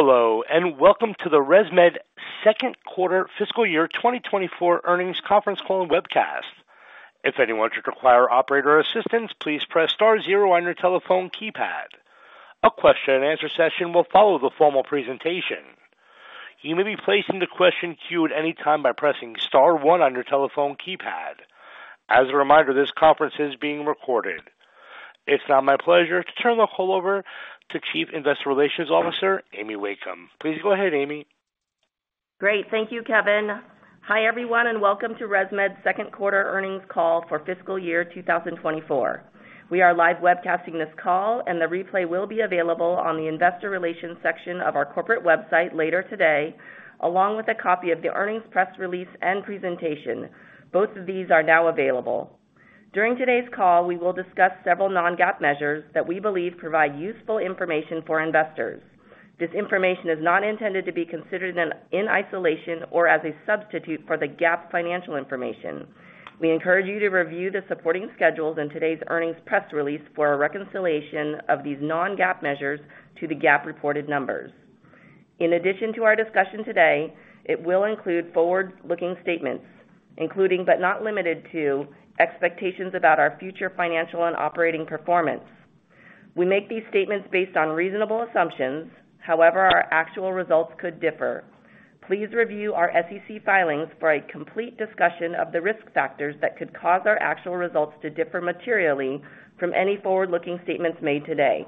Hello, and welcome to the ResMed Second Quarter Fiscal Year 2024 Earnings Conference Call and Webcast. If anyone should require operator assistance, please press star zero on your telephone keypad. A question-and-answer session will follow the formal presentation. You may be placed into question queue at any time by pressing star one on your telephone keypad. As a reminder, this conference is being recorded. It's now my pleasure to turn the call over to Chief Investor Relations Officer, Amy Wakeham. Please go ahead, Amy. Great. Thank you, Kevin. Hi, everyone, and welcome to ResMed's second Quarter Earnings Call for Fiscal Year 2024. We are live webcasting this call, and the replay will be available on the Investor Relations section of our corporate website later today, along with a copy of the earnings press release and presentation. Both of these are now available. During today's call, we will discuss several non-GAAP measures that we believe provide useful information for investors. This information is not intended to be considered in isolation or as a substitute for the GAAP financial information. We encourage you to review the supporting schedules in today's earnings press release for a reconciliation of these non-GAAP measures to the GAAP reported numbers. In addition to our discussion today, it will include forward-looking statements, including but not limited to, expectations about our future financial and operating performance. We make these statements based on reasonable assumptions, however, our actual results could differ. Please review our SEC filings for a complete discussion of the risk factors that could cause our actual results to differ materially from any forward-looking statements made today.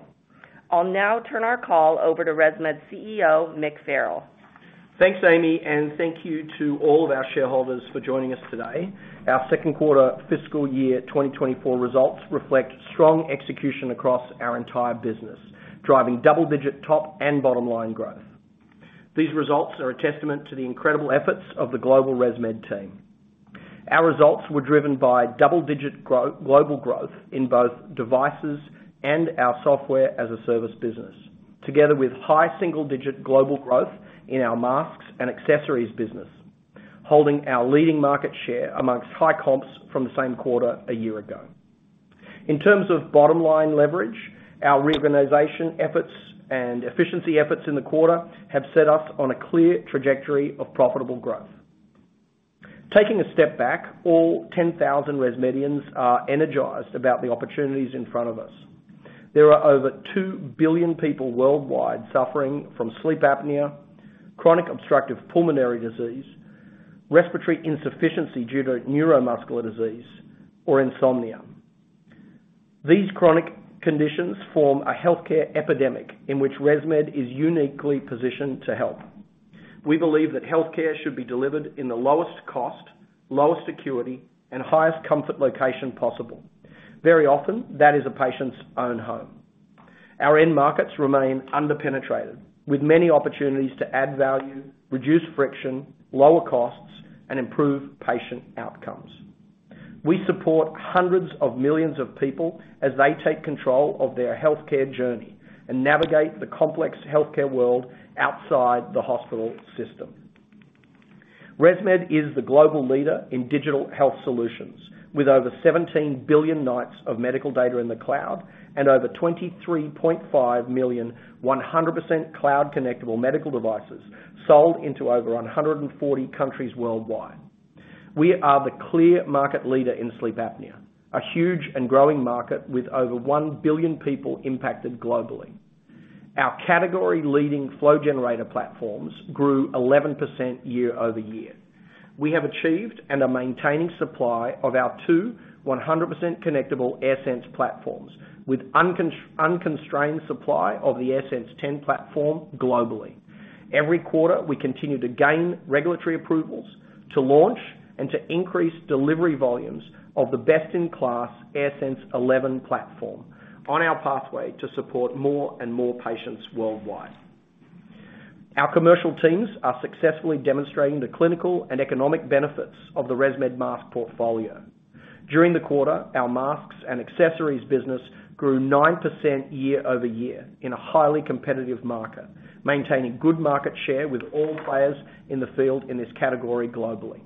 I'll now turn our call over to ResMed's CEO, Mick Farrell. Thanks, Amy, and thank you to all of our shareholders for joining us today. Our second quarter fiscal year 2024 results reflect strong execution across our entire business, driving double-digit top and bottom-line growth. These results are a testament to the incredible efforts of the global ResMed team. Our results were driven by double-digit global growth in both devices and our software as a service business, together with high single-digit global growth in our masks and accessories business, holding our leading market share amongst high comps from the same quarter a year ago. In terms of bottom-line leverage, our reorganization efforts and efficiency efforts in the quarter have set us on a clear trajectory of profitable growth. Taking a step back, all 10,000 ResMedians are energized about the opportunities in front of us. There are over 2 billion people worldwide suffering from sleep apnea, chronic obstructive pulmonary disease, respiratory insufficiency due to neuromuscular disease, or insomnia. These chronic conditions form a healthcare epidemic in which ResMed is uniquely positioned to help. We believe that healthcare should be delivered in the lowest cost, lowest security, and highest comfort location possible. Very often, that is a patient's own home. Our end markets remain underpenetrated, with many opportunities to add value, reduce friction, lower costs, and improve patient outcomes. We support hundreds of millions of people as they take control of their healthcare journey and navigate the complex healthcare world outside the hospital system. ResMed is the global leader in digital health solutions, with over 17 billion nights of medical data in the cloud and over 23.5 million 100% cloud connectable medical devices sold into over 140 countries worldwide. We are the clear market leader in sleep apnea, a huge and growing market with over 1 billion people impacted globally. Our category-leading flow generator platforms grew 11% year-over-year. We have achieved and are maintaining supply of our two 100% connectable AirSense platforms, with unconstrained supply of the AirSense 10 platform globally. Every quarter, we continue to gain regulatory approvals to launch and to increase delivery volumes of the best-in-class AirSense 11 platform on our pathway to support more and more patients worldwide. Our commercial teams are successfully demonstrating the clinical and economic benefits of the ResMed mask portfolio. During the quarter, our masks and accessories business grew 9% year-over-year in a highly competitive market, maintaining good market share with all players in the field in this category globally.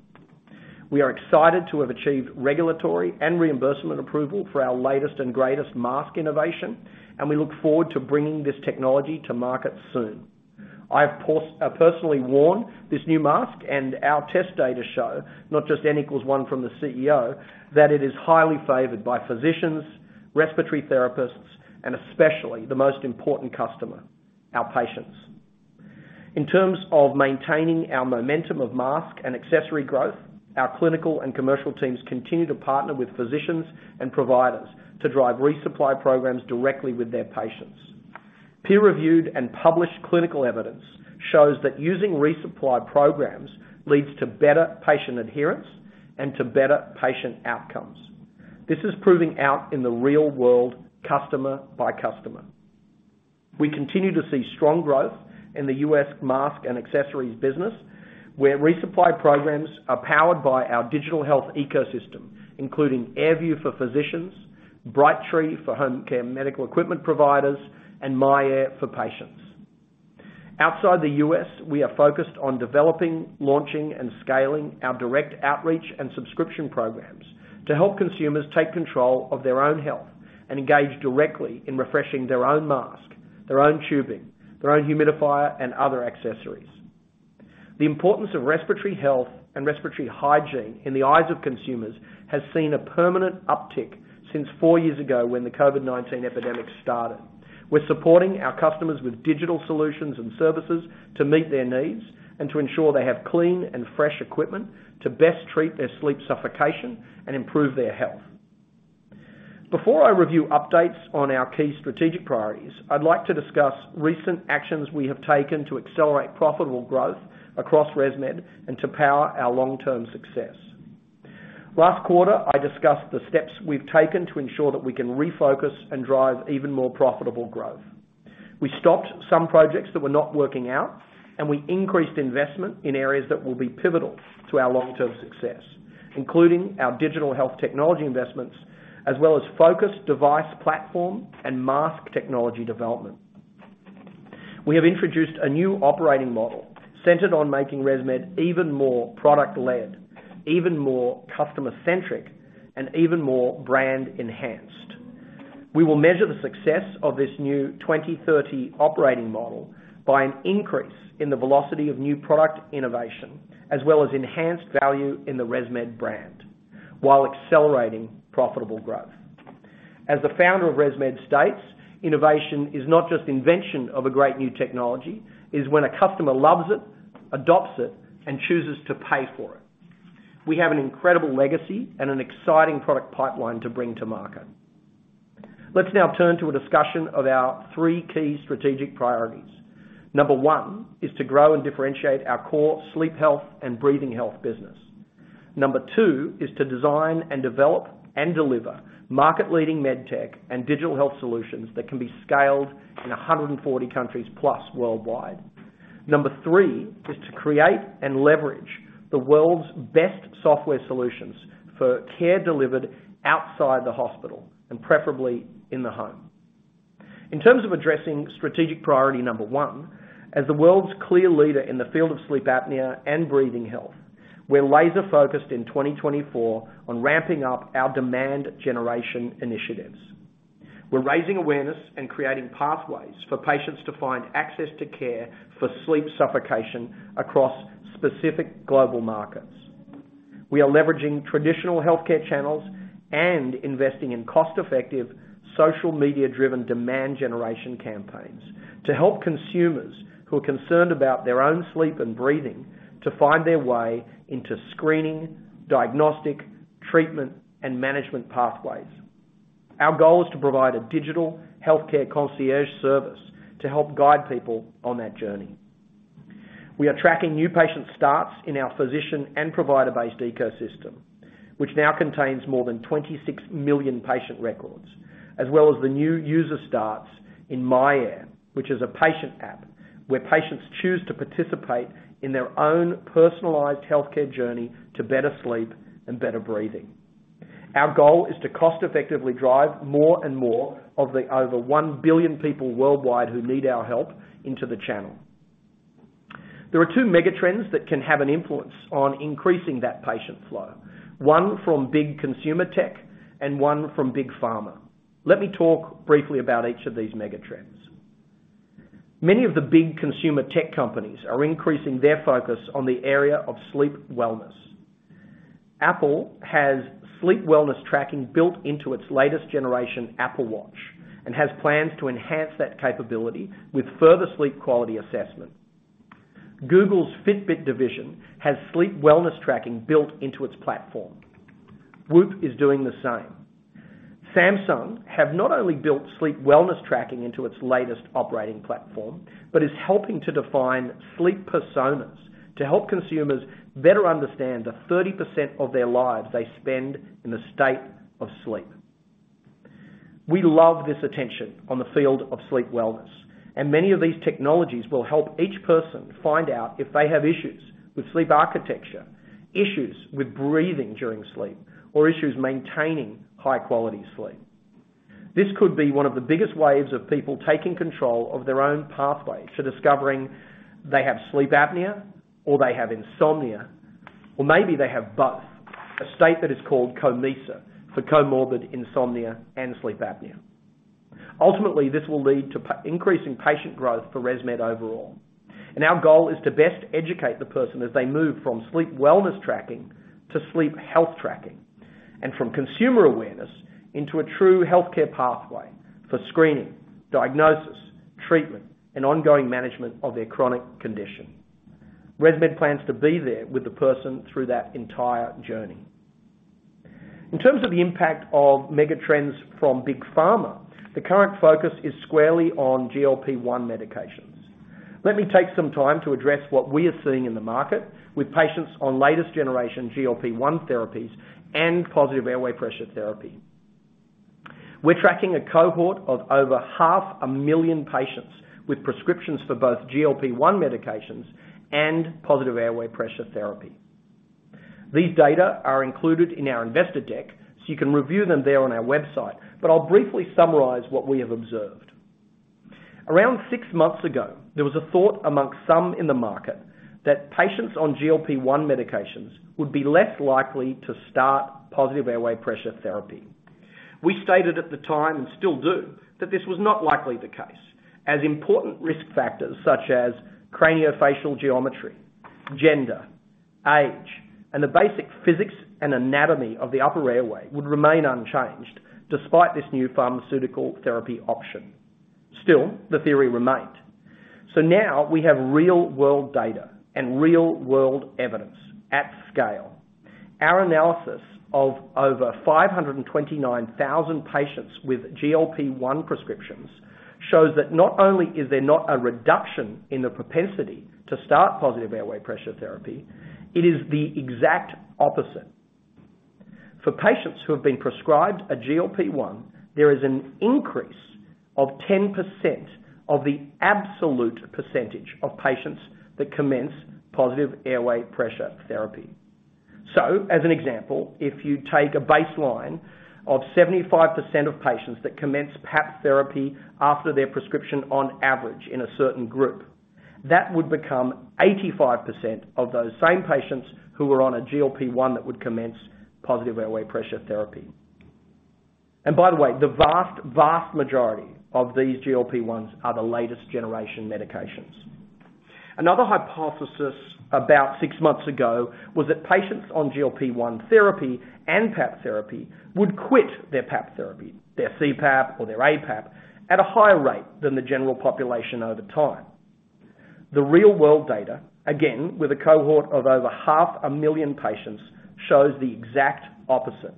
We are excited to have achieved regulatory and reimbursement approval for our latest and greatest mask innovation, and we look forward to bringing this technology to market soon. I have personally worn this new mask, and our test data show, not just N=1 from the CEO, that it is highly favored by physicians, respiratory therapists, and especially the most important customer, our patients. In terms of maintaining our momentum of mask and accessory growth, our clinical and commercial teams continue to partner with physicians and providers to drive resupply programs directly with their patients. Peer-reviewed and published clinical evidence shows that using resupply programs leads to better patient adherence and to better patient outcomes. This is proving out in the real world, customer by customer. We continue to see strong growth in the U.S. mask and accessories business, where resupply programs are powered by our digital health ecosystem, including AirView for physicians, Brightree for home care medical equipment providers, and myAir for patients. Outside the U.S., we are focused on developing, launching, and scaling our direct outreach and subscription programs to help consumers take control of their own health and engage directly in refreshing their own mask, their own tubing, their own humidifier, and other accessories. The importance of respiratory health and respiratory hygiene in the eyes of consumers has seen a permanent uptick since four years ago when the COVID-19 epidemic started. We're supporting our customers with digital solutions and services to meet their needs and to ensure they have clean and fresh equipment to best treat their sleep suffocation and improve their health. Before I review updates on our key strategic priorities, I'd like to discuss recent actions we have taken to accelerate profitable growth across ResMed and to power our long-term success. Last quarter, I discussed the steps we've taken to ensure that we can refocus and drive even more profitable growth. We stopped some projects that were not working out, and we increased investment in areas that will be pivotal to our long-term success, including our digital health technology investments, as well as focused device platform and mask technology development. We have introduced a new operating model centered on making ResMed even more product-led, even more customer-centric, and even more brand enhanced. We will measure the success of this new 2030 operating model by an increase in the velocity of new product innovation, as well as enhanced value in the ResMed brand, while accelerating profitable growth. As the founder of ResMed states, "Innovation is not just invention of a great new technology, it is when a customer loves it, adopts it, and chooses to pay for it." We have an incredible legacy and an exciting product pipeline to bring to market. Let's now turn to a discussion of our three key strategic priorities. Number one, is to grow and differentiate our core sleep health and breathing health business. Number two, is to design and develop and deliver market-leading med tech and digital health solutions that can be scaled in 140 countries plus worldwide. Number three, is to create and leverage the world's best software solutions for care delivered outside the hospital and preferably in the home. In terms of addressing strategic priority number one, as the world's clear leader in the field of sleep apnea and breathing health, we're laser focused in 2024 on ramping up our demand generation initiatives. We're raising awareness and creating pathways for patients to find access to care for sleep apnea across specific global markets. We are leveraging traditional healthcare channels and investing in cost-effective, social media-driven demand generation campaigns to help consumers who are concerned about their own sleep and breathing, to find their way into screening, diagnostic, treatment, and management pathways. Our goal is to provide a digital healthcare concierge service to help guide people on that journey. We are tracking new patient starts in our physician and provider-based ecosystem, which now contains more than 26 million patient records, as well as the new user starts in myAir, which is a patient app, where patients choose to participate in their own personalized healthcare journey to better sleep and better breathing. Our goal is to cost effectively drive more and more of the over 1 billion people worldwide who need our help into the channel. There are two megatrends that can have an influence on increasing that patient flow. One from big consumer tech and one from big pharma. Let me talk briefly about each of these megatrends. Many of the big consumer tech companies are increasing their focus on the area of sleep wellness. Apple has sleep wellness tracking built into its latest generation Apple Watch, and has plans to enhance that capability with further sleep quality assessment. Google's Fitbit division has sleep wellness tracking built into its platform. WHOOP is doing the same. Samsung have not only built sleep wellness tracking into its latest operating platform, but is helping to define sleep personas to help consumers better understand the 30% of their lives they spend in the state of sleep. We love this attention on the field of sleep wellness, and many of these technologies will help each person find out if they have issues with sleep architecture, issues with breathing during sleep, or issues maintaining high-quality sleep. This could be one of the biggest waves of people taking control of their own pathway to discovering they have sleep apnea, or they have insomnia, or maybe they have both, a state that is called COMISA, for comorbid insomnia and sleep apnea. Ultimately, this will lead to increasing patient growth for ResMed overall. Our goal is to best educate the person as they move from sleep wellness tracking to sleep health tracking, and from consumer awareness into a true healthcare pathway for screening, diagnosis, treatment, and ongoing management of their chronic condition. ResMed plans to be there with the person through that entire journey. In terms of the impact of megatrends from Big Pharma, the current focus is squarely on GLP-1 medications. Let me take some time to address what we are seeing in the market with patients on latest generation GLP-1 therapies and positive airway pressure therapy. We're tracking a cohort of over 500,000 patients with prescriptions for both GLP-1 medications and positive airway pressure therapy. These data are included in our investor deck, so you can review them there on our website, but I'll briefly summarize what we have observed. Around six months ago, there was a thought among some in the market that patients on GLP-1 medications would be less likely to start positive airway pressure therapy. We stated at the time, and still do, that this was not likely the case, as important risk factors such as craniofacial geometry, gender, age, and the basic physics and anatomy of the upper airway would remain unchanged despite this new pharmaceutical therapy option. Still, the theory remained. So now we have real-world data and real-world evidence at scale. Our analysis of over 529,000 patients with GLP-1 prescriptions shows that not only is there not a reduction in the propensity to start positive airway pressure therapy, it is the exact opposite. For patients who have been prescribed a GLP-1, there is an increase of 10% of the absolute percentage of patients that commence positive airway pressure therapy. So, as an example, if you take a baseline of 75% of patients that commence PAP therapy after their prescription on average in a certain group, that would become 85% of those same patients who are on a GLP-1 that would commence positive airway pressure therapy. And by the way, the vast, vast majority of these GLP-1s are the latest generation medications. Another hypothesis about six months ago was that patients on GLP-1 therapy and PAP therapy would quit their PAP therapy, their CPAP or their APAP, at a higher rate than the general population over time. The real-world data, again, with a cohort of over 500,000 patients, shows the exact opposite.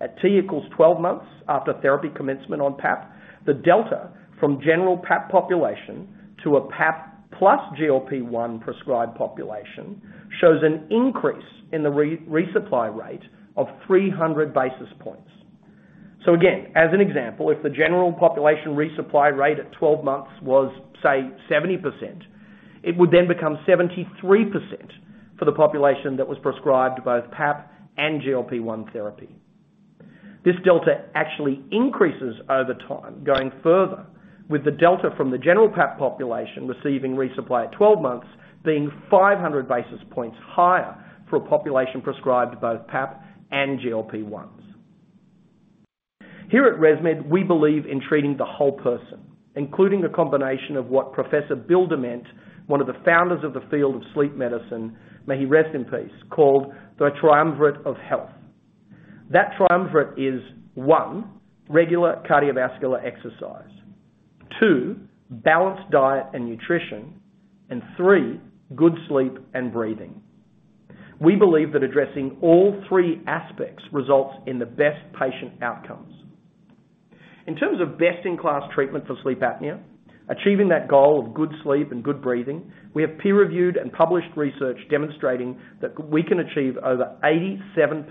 At T = 12 months after therapy commencement on PAP, the delta from general PAP population to a PAP plus GLP-1 prescribed population shows an increase in the resupply rate of 300 basis points. So again, as an example, if the general population resupply rate at 12 months was, say, 70%, it would then become 73% for the population that was prescribed both PAP and GLP-1 therapy. This delta actually increases over time, going further with the delta from the general PAP population receiving resupply at 12 months, being 500 basis points higher for a population prescribed both PAP and GLP-1s. Here at ResMed, we believe in treating the whole person, including a combination of what Professor Bill Dement, one of the founders of the field of sleep medicine, may he rest in peace, called the triumvirate of health. That triumvirate is, one, regular cardiovascular exercise. Two, balanced diet and nutrition. And three, good sleep and breathing. We believe that addressing all three aspects results in the best patient outcomes. In terms of best-in-class treatment for sleep apnea, achieving that goal of good sleep and good breathing, we have peer-reviewed and published research demonstrating that we can achieve over 87%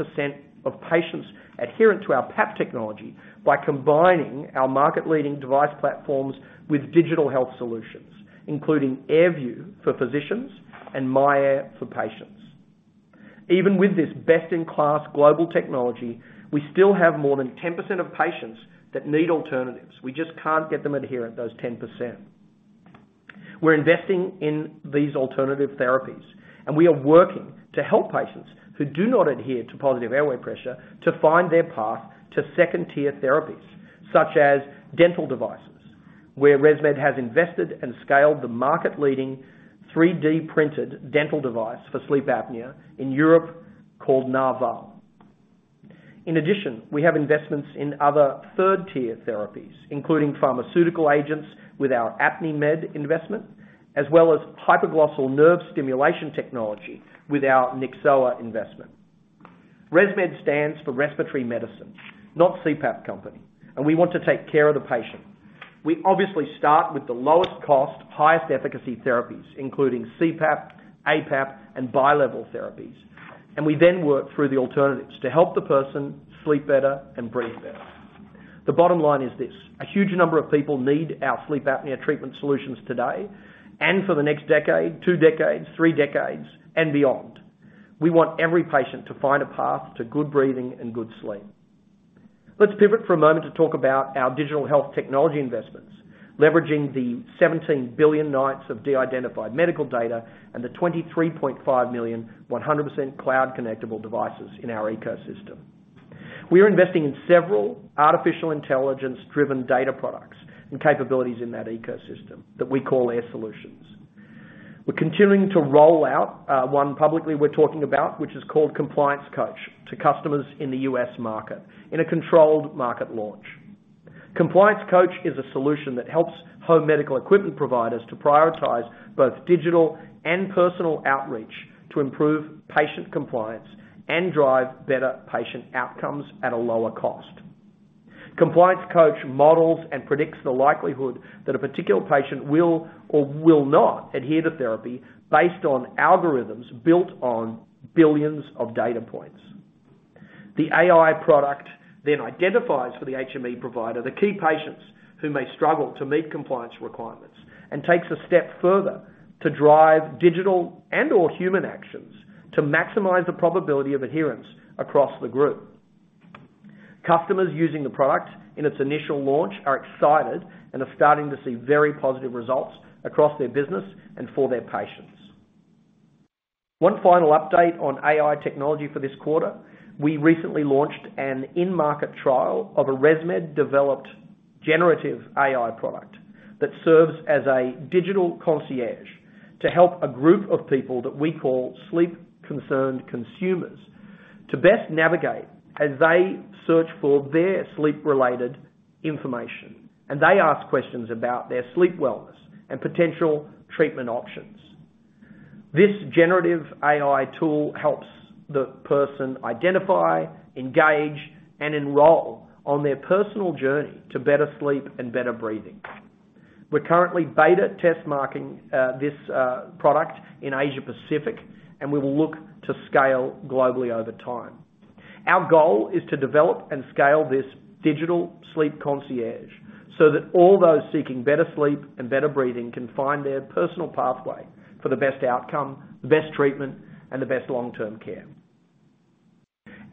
of patients adherent to our PAP technology by combining our market-leading device platforms with digital health solutions, including AirView for physicians and myAir for patients. Even with this best-in-class global technology, we still have more than 10% of patients that need alternatives. We just can't get them adherent, those 10%. We're investing in these alternative therapies, and we are working to help patients who do not adhere to positive airway pressure to find their path to second-tier therapies, such as dental devices, where ResMed has invested and scaled the market-leading 3D-printed dental device for sleep apnea in Europe called Narval. In addition, we have investments in other third-tier therapies, including pharmaceutical agents with our Apnimed investment, as well as hypoglossal nerve stimulation technology with our Nyxoah investment. ResMed stands for respiratory medicine, not CPAP company, and we want to take care of the patient. We obviously start with the lowest cost, highest efficacy therapies, including CPAP, APAP, and BiLevel therapies. We then work through the alternatives to help the person sleep better and breathe better. The bottom line is this: a huge number of people need our sleep apnea treatment solutions today and for the next decade, two decades, three decades, and beyond. We want every patient to find a path to good breathing and good sleep. Let's pivot for a moment to talk about our digital health technology investments, leveraging the 17 billion nights of de-identified medical data and the 23.5 million, 100% cloud-connectable devices in our ecosystem. We are investing in several artificial intelligence-driven data products and capabilities in that ecosystem that we call Air Solutions. We're continuing to roll out, one publicly we're talking about, which is called Compliance Coach, to customers in the U.S. market in a controlled market launch. Compliance Coach is a solution that helps home medical equipment providers to prioritize both digital and personal outreach to improve patient compliance and drive better patient outcomes at a lower cost. Compliance Coach models and predicts the likelihood that a particular patient will or will not adhere to therapy based on algorithms built on billions of data points.... The AI product then identifies for the HME provider the key patients who may struggle to meet compliance requirements, and takes a step further to drive digital and or human actions to maximize the probability of adherence across the group. Customers using the product in its initial launch are excited and are starting to see very positive results across their business and for their patients. One final update on AI technology for this quarter. We recently launched an in-market trial of a ResMed-developed generative AI product that serves as a digital concierge to help a group of people that we call sleep-concerned consumers, to best navigate as they search for their sleep-related information, and they ask questions about their sleep wellness and potential treatment options. This generative AI tool helps the person identify, engage, and enroll on their personal journey to better sleep and better breathing. We're currently beta test marketing this product in Asia Pacific, and we will look to scale globally over time. Our goal is to develop and scale this digital sleep concierge so that all those seeking better sleep and better breathing can find their personal pathway for the best outcome, the best treatment, and the best long-term care.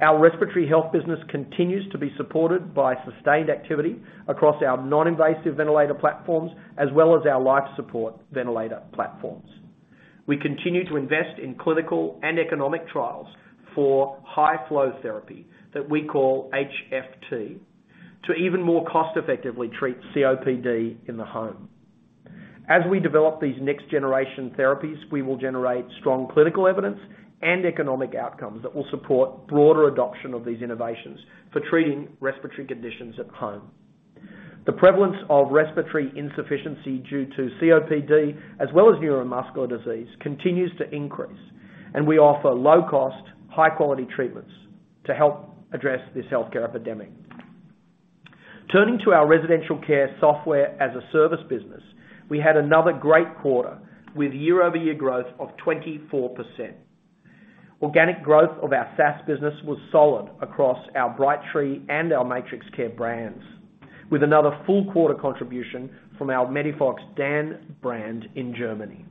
Our respiratory health business continues to be supported by sustained activity across our non-invasive ventilator platforms, as well as our life support ventilator platforms. We continue to invest in clinical and economic trials for high-flow therapy, that we call HFT, to even more cost-effectively treat COPD in the home. As we develop these next-generation therapies, we will generate strong clinical evidence and economic outcomes that will support broader adoption of these innovations for treating respiratory conditions at home. The prevalence of respiratory insufficiency due to COPD, as well as neuromuscular disease, continues to increase, and we offer low-cost, high-quality treatments to help address this healthcare epidemic. Turning to our residential care software as a service business, we had another great quarter, with year-over-year growth of 24%. Organic growth of our SaaS business was solid across our Brightree and our MatrixCare brands, with another full quarter contribution from our MediFox DAN brand in Germany.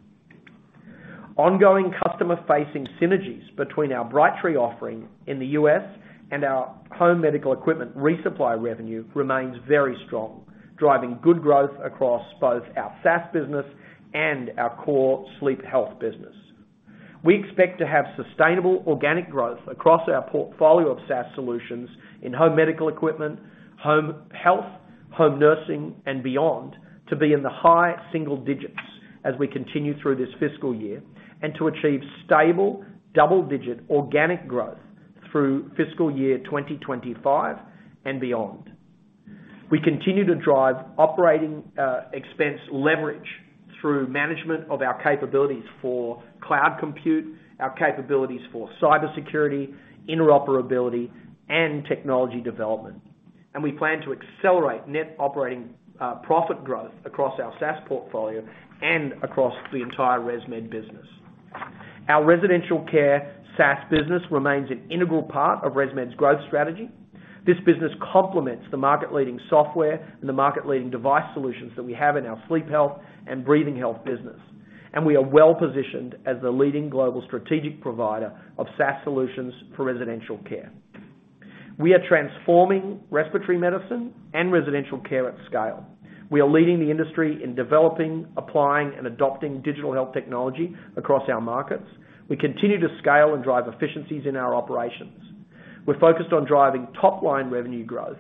Ongoing customer-facing synergies between our Brightree offering in the U.S. and our home medical equipment resupply revenue remains very strong, driving good growth across both our SaaS business and our core sleep health business. We expect to have sustainable organic growth across our portfolio of SaaS solutions in home medical equipment, home health, home nursing, and beyond, to be in the high single digits as we continue through this fiscal year, and to achieve stable double-digit organic growth through fiscal year 2025 and beyond. We continue to drive operating expense leverage through management of our capabilities for cloud compute, our capabilities for cybersecurity, interoperability, and technology development. We plan to accelerate net operating profit growth across our SaaS portfolio and across the entire ResMed business. Our residential care SaaS business remains an integral part of ResMed's growth strategy. This business complements the market-leading software and the market-leading device solutions that we have in our sleep health and breathing health business, and we are well positioned as the leading global strategic provider of SaaS solutions for residential care. We are transforming respiratory medicine and residential care at scale. We are leading the industry in developing, applying, and adopting digital health technology across our markets. We continue to scale and drive efficiencies in our operations. We're focused on driving top-line revenue growth,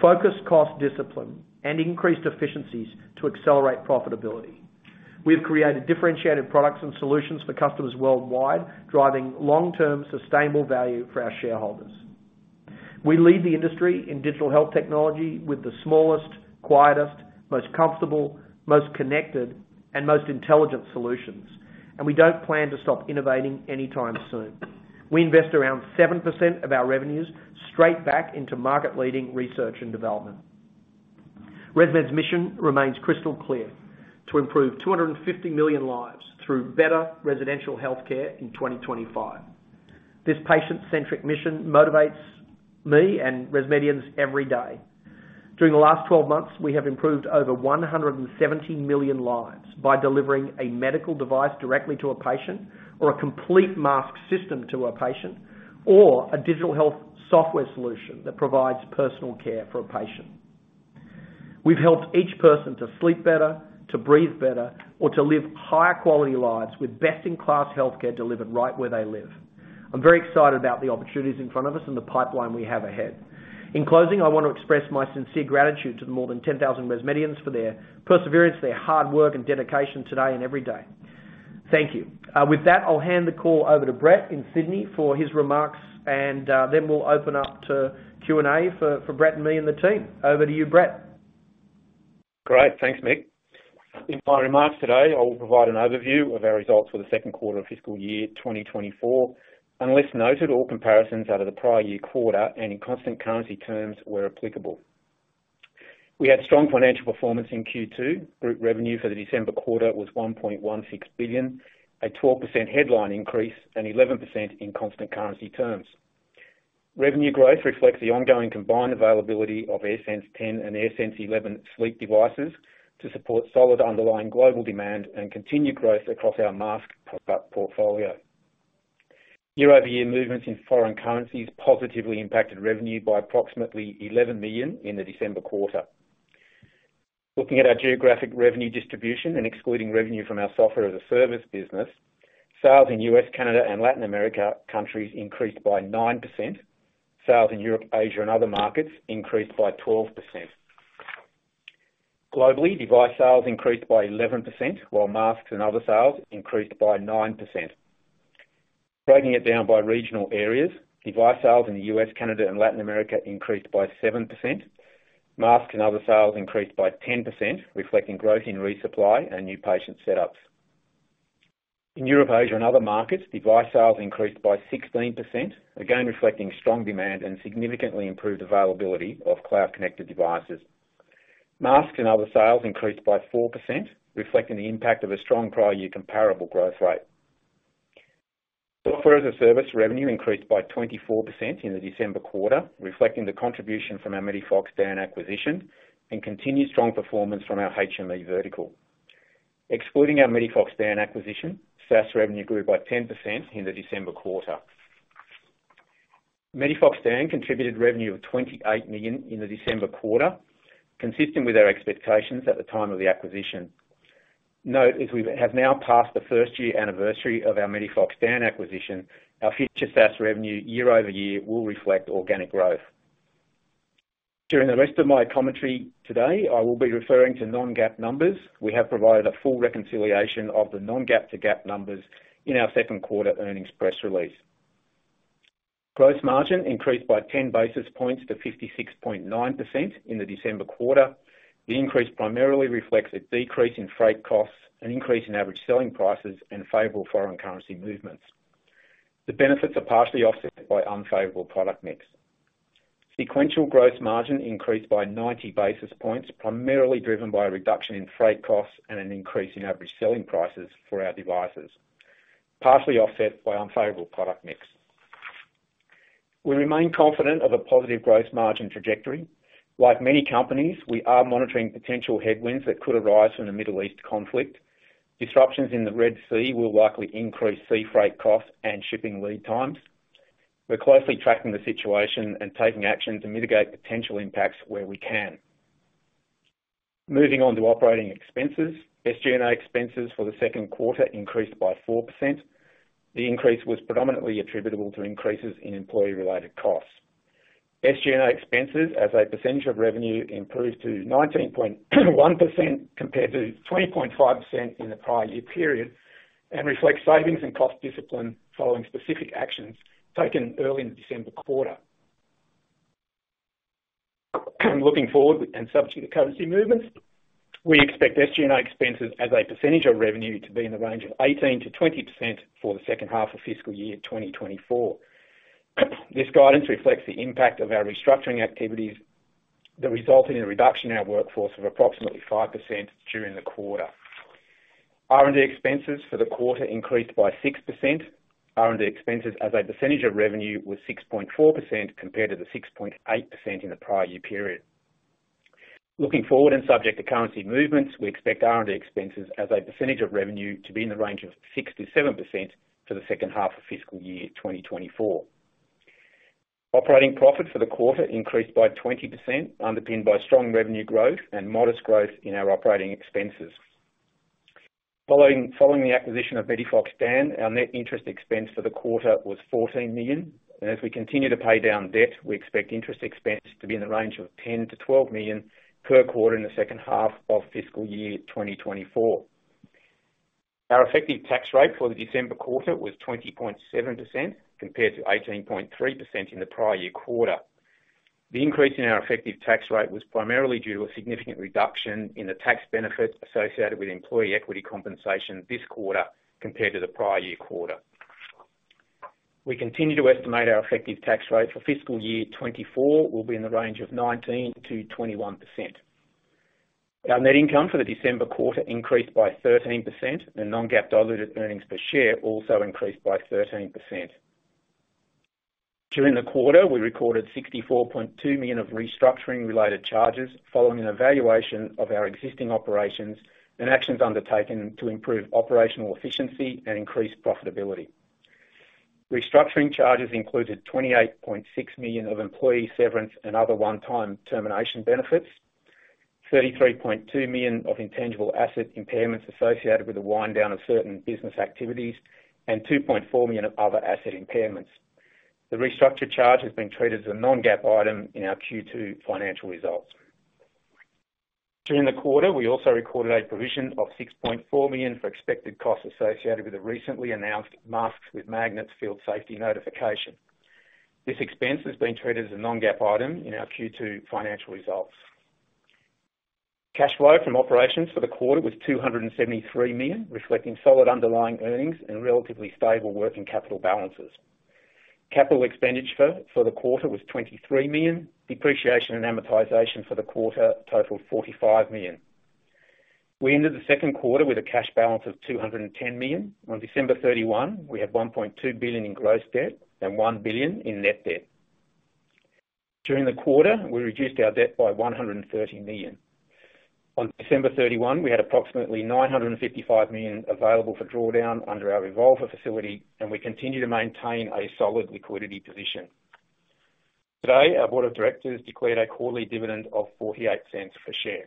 focused cost discipline, and increased efficiencies to accelerate profitability. We have created differentiated products and solutions for customers worldwide, driving long-term, sustainable value for our shareholders. We lead the industry in digital health technology with the smallest, quietest, most comfortable, most connected, and most intelligent solutions, and we don't plan to stop innovating anytime soon. We invest around 7% of our revenues straight back into market-leading research and development. ResMed's mission remains crystal clear: to improve 250 million lives through better respiratory healthcare in 2025. This patient-centric mission motivates me and ResMedians every day. During the last 12 months, we have improved over 170 million lives by delivering a medical device directly to a patient, or a complete mask system to a patient, or a digital health software solution that provides personal care for a patient. We've helped each person to sleep better, to breathe better, or to live higher quality lives with best-in-class healthcare delivered right where they live. I'm very excited about the opportunities in front of us and the pipeline we have ahead. In closing, I want to express my sincere gratitude to the more than 10,000 ResMedians for their perseverance, their hard work, and dedication today and every day. Thank you. With that, I'll hand the call over to Brett in Sydney for his remarks, and, then we'll open up to Q&A for, for Brett and me, and the team. Over to you, Brett. Great. Thanks, Mick. In my remarks today, I will provide an overview of our results for the second quarter of fiscal year 2024. Unless noted, all comparisons out of the prior year quarter and in constant currency terms where applicable. We had strong financial performance in Q2. Group revenue for the December quarter was $1.16 billion, a 12% headline increase, and 11% in constant currency terms. Revenue growth reflects the ongoing combined availability of AirSense 10 and AirSense 11 sleep devices to support solid underlying global demand and continued growth across our mask product portfolio. Year-over-year movements in foreign currencies positively impacted revenue by approximately $11 million in the December quarter. Looking at our geographic revenue distribution and excluding revenue from our software as a service business, sales in U.S., Canada, and Latin America countries increased by 9%. Sales in Europe, Asia, and other markets increased by 12%. Globally, device sales increased by 11%, while masks and other sales increased by 9%. Breaking it down by regional areas, device sales in the U.S., Canada, and Latin America increased by 7%. Masks and other sales increased by 10%, reflecting growth in resupply and new patient setups. In Europe, Asia, and other markets, device sales increased by 16%, again, reflecting strong demand and significantly improved availability of cloud-connected devices. Masks and other sales increased by 4%, reflecting the impact of a strong prior year comparable growth rate. Software as a Service revenue increased by 24% in the December quarter, reflecting the contribution from our MediFox DAN acquisition and continued strong performance from our HME vertical. Excluding our MediFox DAN acquisition, SaaS revenue grew by 10% in the December quarter. MediFox DAN contributed revenue of $28 million in the December quarter, consistent with our expectations at the time of the acquisition. Note, as we have now passed the first year anniversary of our MediFox DAN acquisition, our future SaaS revenue year-over-year will reflect organic growth. During the rest of my commentary today, I will be referring to non-GAAP numbers. We have provided a full reconciliation of the non-GAAP to GAAP numbers in our second quarter earnings press release. Gross margin increased by 10 basis points to 56.9% in the December quarter. The increase primarily reflects a decrease in freight costs, an increase in average selling prices, and favorable foreign currency movements. The benefits are partially offset by unfavorable product mix. Sequential gross margin increased by 90 basis points, primarily driven by a reduction in freight costs and an increase in average selling prices for our devices, partially offset by unfavorable product mix. We remain confident of a positive gross margin trajectory. Like many companies, we are monitoring potential headwinds that could arise from the Middle East conflict. Disruptions in the Red Sea will likely increase sea freight costs and shipping lead times. We're closely tracking the situation and taking actions to mitigate potential impacts where we can. Moving on to operating expenses. SG&A expenses for the second quarter increased by 4%. The increase was predominantly attributable to increases in employee-related costs. SG&A expenses as a percentage of revenue improved to 19.1% compared to 20.5% in the prior year period, and reflects savings and cost discipline following specific actions taken early in the December quarter. Looking forward and subject to currency movements, we expect SG&A expenses as a percentage of revenue to be in the range of 18%-20% for the second half of fiscal year 2024. This guidance reflects the impact of our restructuring activities that resulted in a reduction in our workforce of approximately 5% during the quarter. R&D expenses for the quarter increased by 6%. R&D expenses as a percentage of revenue were 6.4% compared to the 6.8% in the prior year period. Looking forward and subject to currency movements, we expect R&D expenses as a percentage of revenue to be in the range of 6%-7% for the second half of fiscal year 2024. Operating profit for the quarter increased by 20%, underpinned by strong revenue growth and modest growth in our operating expenses. Following the acquisition of MediFox DAN, our net interest expense for the quarter was $14 million, and as we continue to pay down debt, we expect interest expense to be in the range of $10 million-$12 million per quarter in the second half of fiscal year 2024. Our effective tax rate for the December quarter was 20.7%, compared to 18.3% in the prior year quarter. The increase in our effective tax rate was primarily due to a significant reduction in the tax benefits associated with employee equity compensation this quarter compared to the prior year quarter. We continue to estimate our effective tax rate for fiscal year 2024 will be in the range of 19%-21%. Our net income for the December quarter increased by 13%, and non-GAAP diluted earnings per share also increased by 13%. During the quarter, we recorded $64.2 million of restructuring related charges following an evaluation of our existing operations and actions undertaken to improve operational efficiency and increase profitability. Restructuring charges included $28.6 million of employee severance and other one-time termination benefits, $33.2 million of intangible asset impairments associated with the wind down of certain business activities, and $2.4 million of other asset impairments. The restructure charge has been treated as a non-GAAP item in our Q2 financial results. During the quarter, we also recorded a provision of $6.4 million for expected costs associated with the recently announced masks with magnets field safety notification. This expense has been treated as a non-GAAP item in our Q2 financial results. Cash flow from operations for the quarter was $273 million, reflecting solid underlying earnings and relatively stable working capital balances. ... Capital expenditure for the quarter was $23 million. Depreciation and amortization for the quarter totaled $45 million. We ended the second quarter with a cash balance of $210 million. On December 31, we had $1.2 billion in gross debt and $1 billion in net debt. During the quarter, we reduced our debt by $130 million. On December 31, we had approximately $955 million available for drawdown under our revolver facility, and we continue to maintain a solid liquidity position. Today, our board of directors declared a quarterly dividend of $0.48 per share.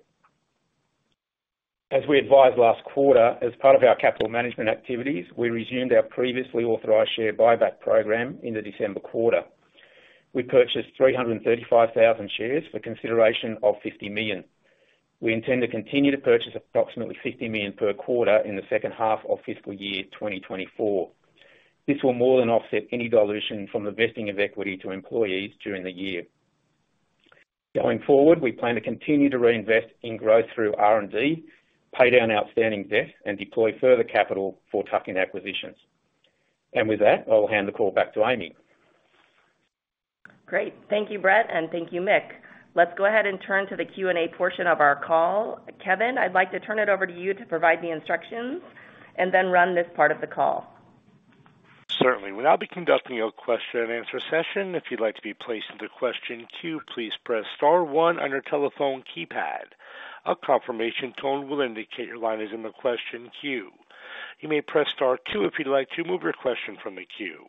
As we advised last quarter, as part of our capital management activities, we resumed our previously authorized share buyback program in the December quarter. We purchased 335,000 shares for consideration of $50 million. We intend to continue to purchase approximately $50 million per quarter in the second half of fiscal year 2024. This will more than offset any dilution from the vesting of equity to employees during the year. Going forward, we plan to continue to reinvest in growth through R&D, pay down outstanding debt, and deploy further capital for tuck-in acquisitions. And with that, I'll hand the call back to Amy. Great. Thank you, Brett, and thank you, Mick. Let's go ahead and turn to the Q&A portion of our call. Kevin, I'd like to turn it over to you to provide the instructions and then run this part of the call. Certainly. We'll now be conducting a question-and-answer session. If you'd like to be placed in the question queue, please press star one on your telephone keypad. A confirmation tone will indicate your line is in the question queue. You may press star two if you'd like to remove your question from the queue.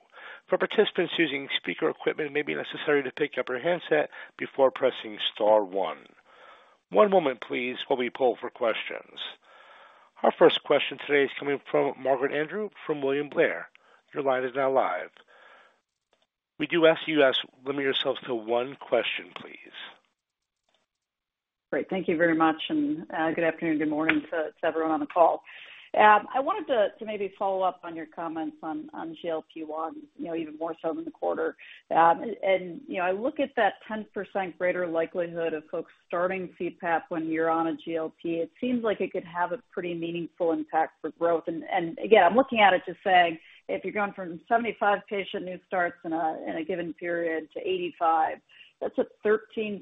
For participants using speaker equipment, it may be necessary to pick up your handset before pressing star one. One moment please, while we poll for questions. Our first question today is coming from Margaret Andrew, from William Blair. Your line is now live. We do ask you to limit yourselves to one question, please. Great. Thank you very much, and, good afternoon, good morning to everyone on the call. I wanted to maybe follow up on your comments on GLP-1, you know, even more so in the quarter. And, you know, I look at that 10% greater likelihood of folks starting CPAP when you're on a GLP. It seems like it could have a pretty meaningful impact for growth. And, again, I'm looking at it just saying, if you're going from 75 patient new starts in a given period to 85, that's a 13%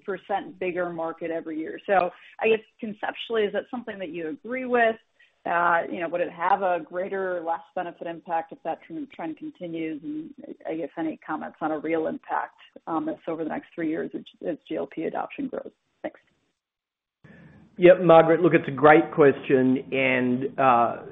bigger market every year. So I guess conceptually, is that something that you agree with? You know, would it have a greater or less benefit impact if that trend continues? I guess any comments on a real impact, if over the next three years as GLP adoption grows? Thanks. Yep, Margaret, look, it's a great question, and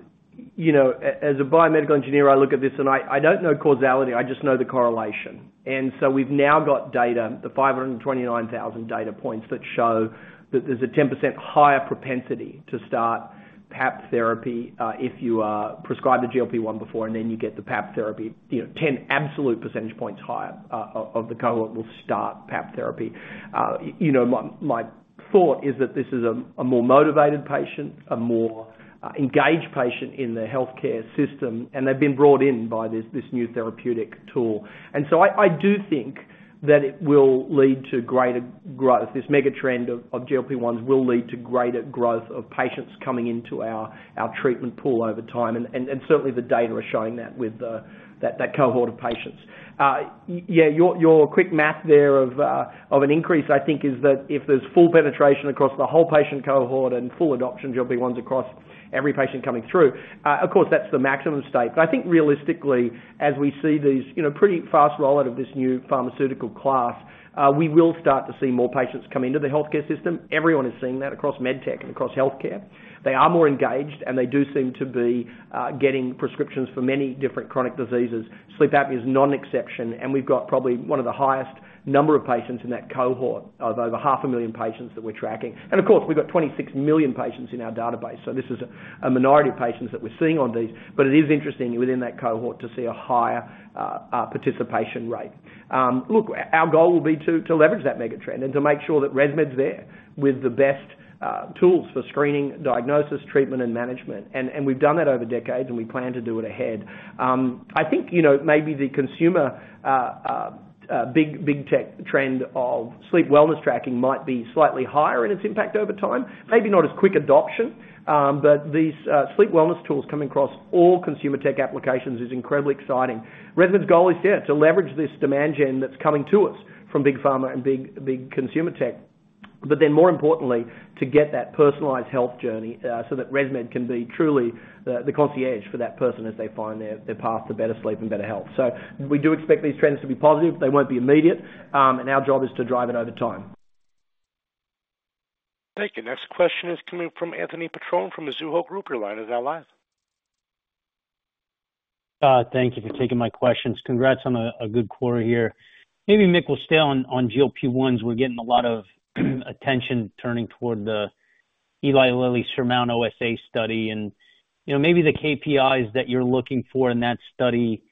you know, as a biomedical engineer, I look at this and I don't know causality, I just know the correlation. And so we've now got data, the 529,000 data points, that show that there's a 10% higher propensity to start PAP therapy, if you are prescribed a GLP-1 before and then you get the PAP therapy, you know, 10 absolute percentage points higher, of the cohort will start PAP therapy. You know, my thought is that this is a more motivated patient, a more engaged patient in the healthcare system, and they've been brought in by this new therapeutic tool. And so I do think that it will lead to greater growth. This mega trend of GLP-1s will lead to greater growth of patients coming into our treatment pool over time. And certainly the data is showing that with that cohort of patients. Yeah, your quick math there of an increase, I think, is that if there's full penetration across the whole patient cohort and full adoption GLP-1s across every patient coming through, of course, that's the maximum state. But I think realistically, as we see these, you know, pretty fast rollout of this new pharmaceutical class, we will start to see more patients come into the healthcare system. Everyone is seeing that across med tech and across healthcare. They are more engaged, and they do seem to be getting prescriptions for many different chronic diseases. Sleep apnea is no exception, and we've got probably one of the highest number of patients in that cohort of over half a million patients that we're tracking. Of course, we've got 26 million patients in our database, so this is a minority of patients that we're seeing on these, but it is interesting within that cohort to see a higher participation rate. Look, our goal will be to leverage that mega trend and to make sure that ResMed's there with the best tools for screening, diagnosis, treatment, and management. And we've done that over decades, and we plan to do it ahead. I think, you know, maybe the consumer big tech trend of sleep wellness tracking might be slightly higher in its impact over time. Maybe not as quick adoption, but these sleep wellness tools coming across all consumer tech applications is incredibly exciting. ResMed's goal is, yeah, to leverage this demand gen that's coming to us from big pharma and big, big consumer tech, but then more importantly, to get that personalized health journey, so that ResMed can be truly the, the concierge for that person as they find their, their path to better sleep and better health. So we do expect these trends to be positive. They won't be immediate, and our job is to drive it over time. Thank you. Next question is coming from Anthony Petrone from Mizuho Securities. Your line is now live. Thank you for taking my questions. Congrats on a good quarter here. Maybe, Mick, we'll stay on GLP-1s. We're getting a lot of attention turning toward the Eli Lilly SURMOUNT-OSA study and, you know, maybe the KPIs that you're looking for in that study,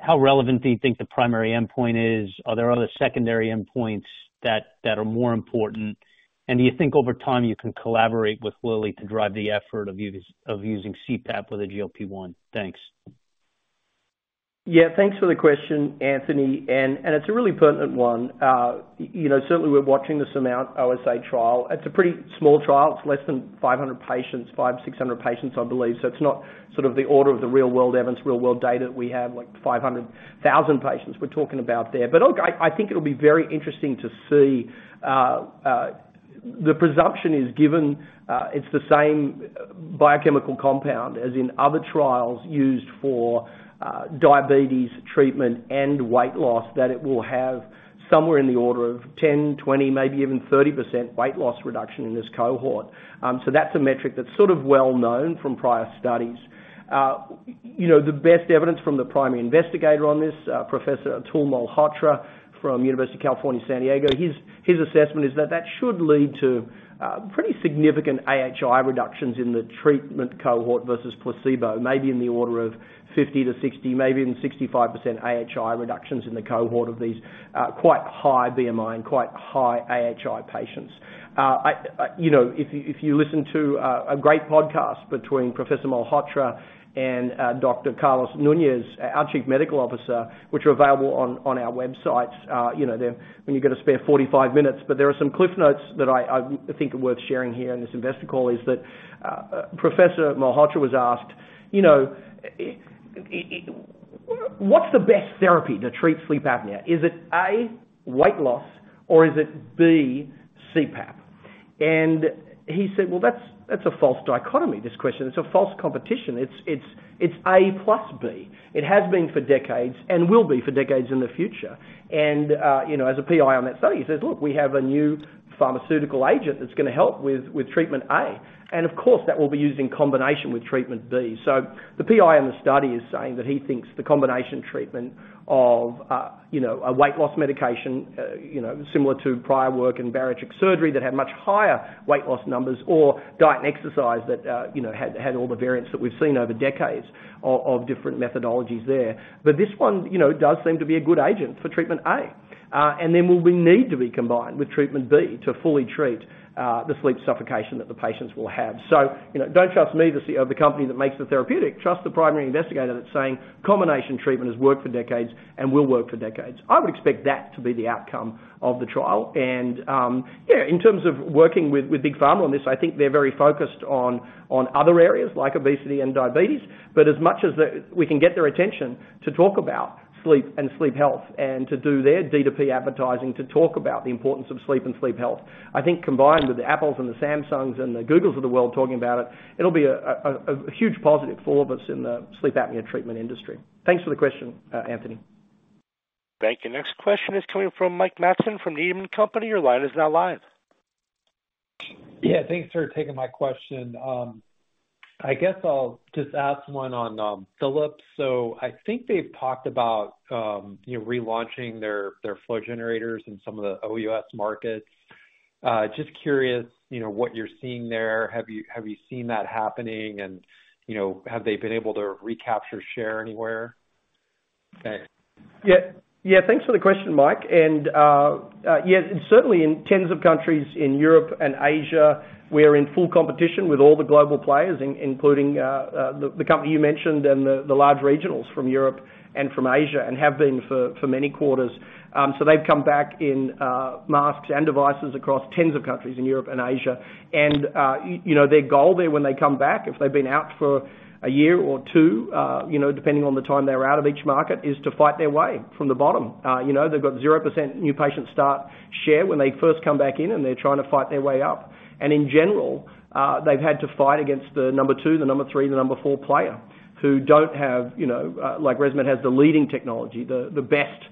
how relevant do you think the primary endpoint is? Are there other secondary endpoints that are more important? And do you think over time you can collaborate with Lilly to drive the effort of using CPAP with a GLP-1? Thanks. Yeah, thanks for the question, Anthony, and it's a really pertinent one. You know, certainly we're watching the SURMOUNT-OSA trial. It's a pretty small trial. It's less than 500 patients, 500-600 patients, I believe. So it's not sort of the order of the real-world evidence, real-world data. We have like 500,000 patients we're talking about there. But I think it'll be very interesting to see. The presumption is given it's the same biochemical compound as in other trials used for diabetes treatment and weight loss, that it will have somewhere in the order of 10%, 20%, maybe even 30% weight loss reduction in this cohort. So that's a metric that's sort of well known from prior studies. You know, the best evidence from the primary investigator on this, Professor Atul Malhotra, from University of California, San Diego, his assessment is that that should lead to pretty significant AHI reductions in the treatment cohort versus placebo, maybe in the order of 50-60, maybe even 65% AHI reductions in the cohort of these quite high BMI and quite high AHI patients. You know, if you listen to a great podcast between Professor Malhotra and Dr. Carlos Nunez, our Chief Medical Officer, which are available on our websites, you know, they're... When you get a spare 45 minutes, but there are some cliff notes that I think are worth sharing here in this investor call, is that Professor Malhotra was asked, "You know, what's the best therapy to treat sleep apnea? Is it, A, weight loss, or is it, B, CPAP?" And he said, "Well, that's, that's a false dichotomy, this question. It's a false competition. It's, it's, it's A plus B. It has been for decades and will be for decades in the future." And, you know, as a PI on that study, he says, "Look, we have a new pharmaceutical agent that's gonna help with, with treatment A, and of course, that will be used in combination with treatment B." So the PI in the study is saying that he thinks the combination treatment of, you know, a weight loss medication, you know, similar to prior work in bariatric surgery that had much higher weight loss numbers or diet and exercise that, you know, had, had all the variants that we've seen over decades of, of different methodologies there. But this one, you know, does seem to be a good agent for treatment A, and then will we need to be combined with treatment B to fully treat, the sleep suffocation that the patients will have. So, you know, don't trust me, the CEO of the company that makes the therapeutic, trust the primary investigator that's saying combination treatment has worked for decades and will work for decades. I would expect that to be the outcome of the trial. And, yeah, in terms of working with, with Big Pharma on this, I think they're very focused on, on other areas like obesity and diabetes. But as much as we can get their attention to talk about sleep and sleep health, and to do their DTP advertising, to talk about the importance of sleep and sleep health, I think combined with the Apples and the Samsungs and the Googles of the world talking about it, it'll be a huge positive for all of us in the sleep apnea treatment industry. Thanks for the question, Anthony. Thank you. Next question is coming from Mike Matson, from Needham & Company. Your line is now live. Yeah, thanks for taking my question. I guess I'll just ask one on Philips. So I think they've talked about, you know, relaunching their, their flow generators in some of the OUS markets. Just curious, you know, what you're seeing there. Have you, have you seen that happening? And, you know, have they been able to recapture share anywhere? Thanks. Yeah. Yeah, thanks for the question, Mike. And, yes, certainly in tens of countries in Europe and Asia, we are in full competition with all the global players, including the company you mentioned and the large regionals from Europe and from Asia, and have been for many quarters. So they've come back in, masks and devices across tens of countries in Europe and Asia. And, you know, their goal there when they come back, if they've been out for a year or two, you know, depending on the time they're out of each market, is to fight their way from the bottom. You know, they've got 0% new patient start share when they first come back in, and they're trying to fight their way up. In general, they've had to fight against the number two, the number three, the number four player, who don't have... You know, like ResMed has the leading technology, the best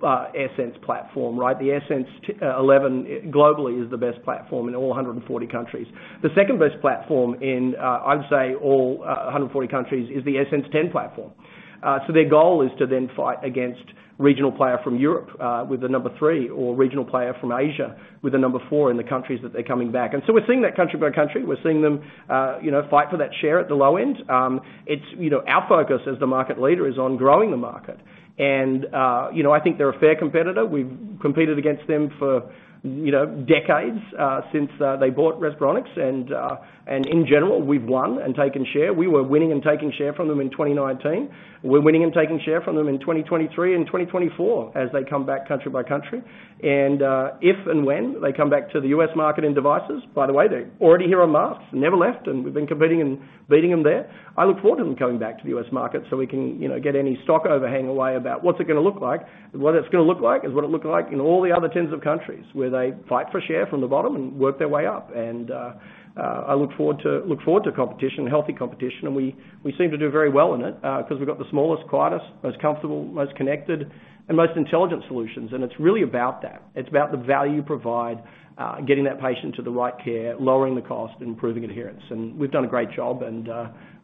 AirSense platform, right? The AirSense 11 globally is the best platform in all 140 countries. The second-best platform in, I'd say all, 140 countries is the AirSense 10 platform. So their goal is to then fight against regional player from Europe, with the number three, or regional player from Asia, with the number four in the countries that they're coming back. And so we're seeing that country by country. We're seeing them, you know, fight for that share at the low end. It's, you know, our focus as the market leader is on growing the market. You know, I think they're a fair competitor. We've competed against them for, you know, decades, since they bought Respironics, and in general, we've won and taken share. We were winning and taking share from them in 2019. We're winning and taking share from them in 2023 and 2024 as they come back country by country. And if and when they come back to the U.S. market in devices, by the way, they're already here on masks, never left, and we've been competing and beating them there. I look forward to them coming back to the U.S. market so we can, you know, get any stock overhang away about what's it gonna look like? What it's gonna look like is what it looked like in all the other tens of countries, where they fight for share from the bottom and work their way up. And I look forward to competition, healthy competition, and we seem to do very well in it because we've got the smallest, quietest, most comfortable, most connected, and most intelligent solutions. And it's really about that. It's about the value you provide, getting that patient to the right care, lowering the cost, and improving adherence. And we've done a great job, and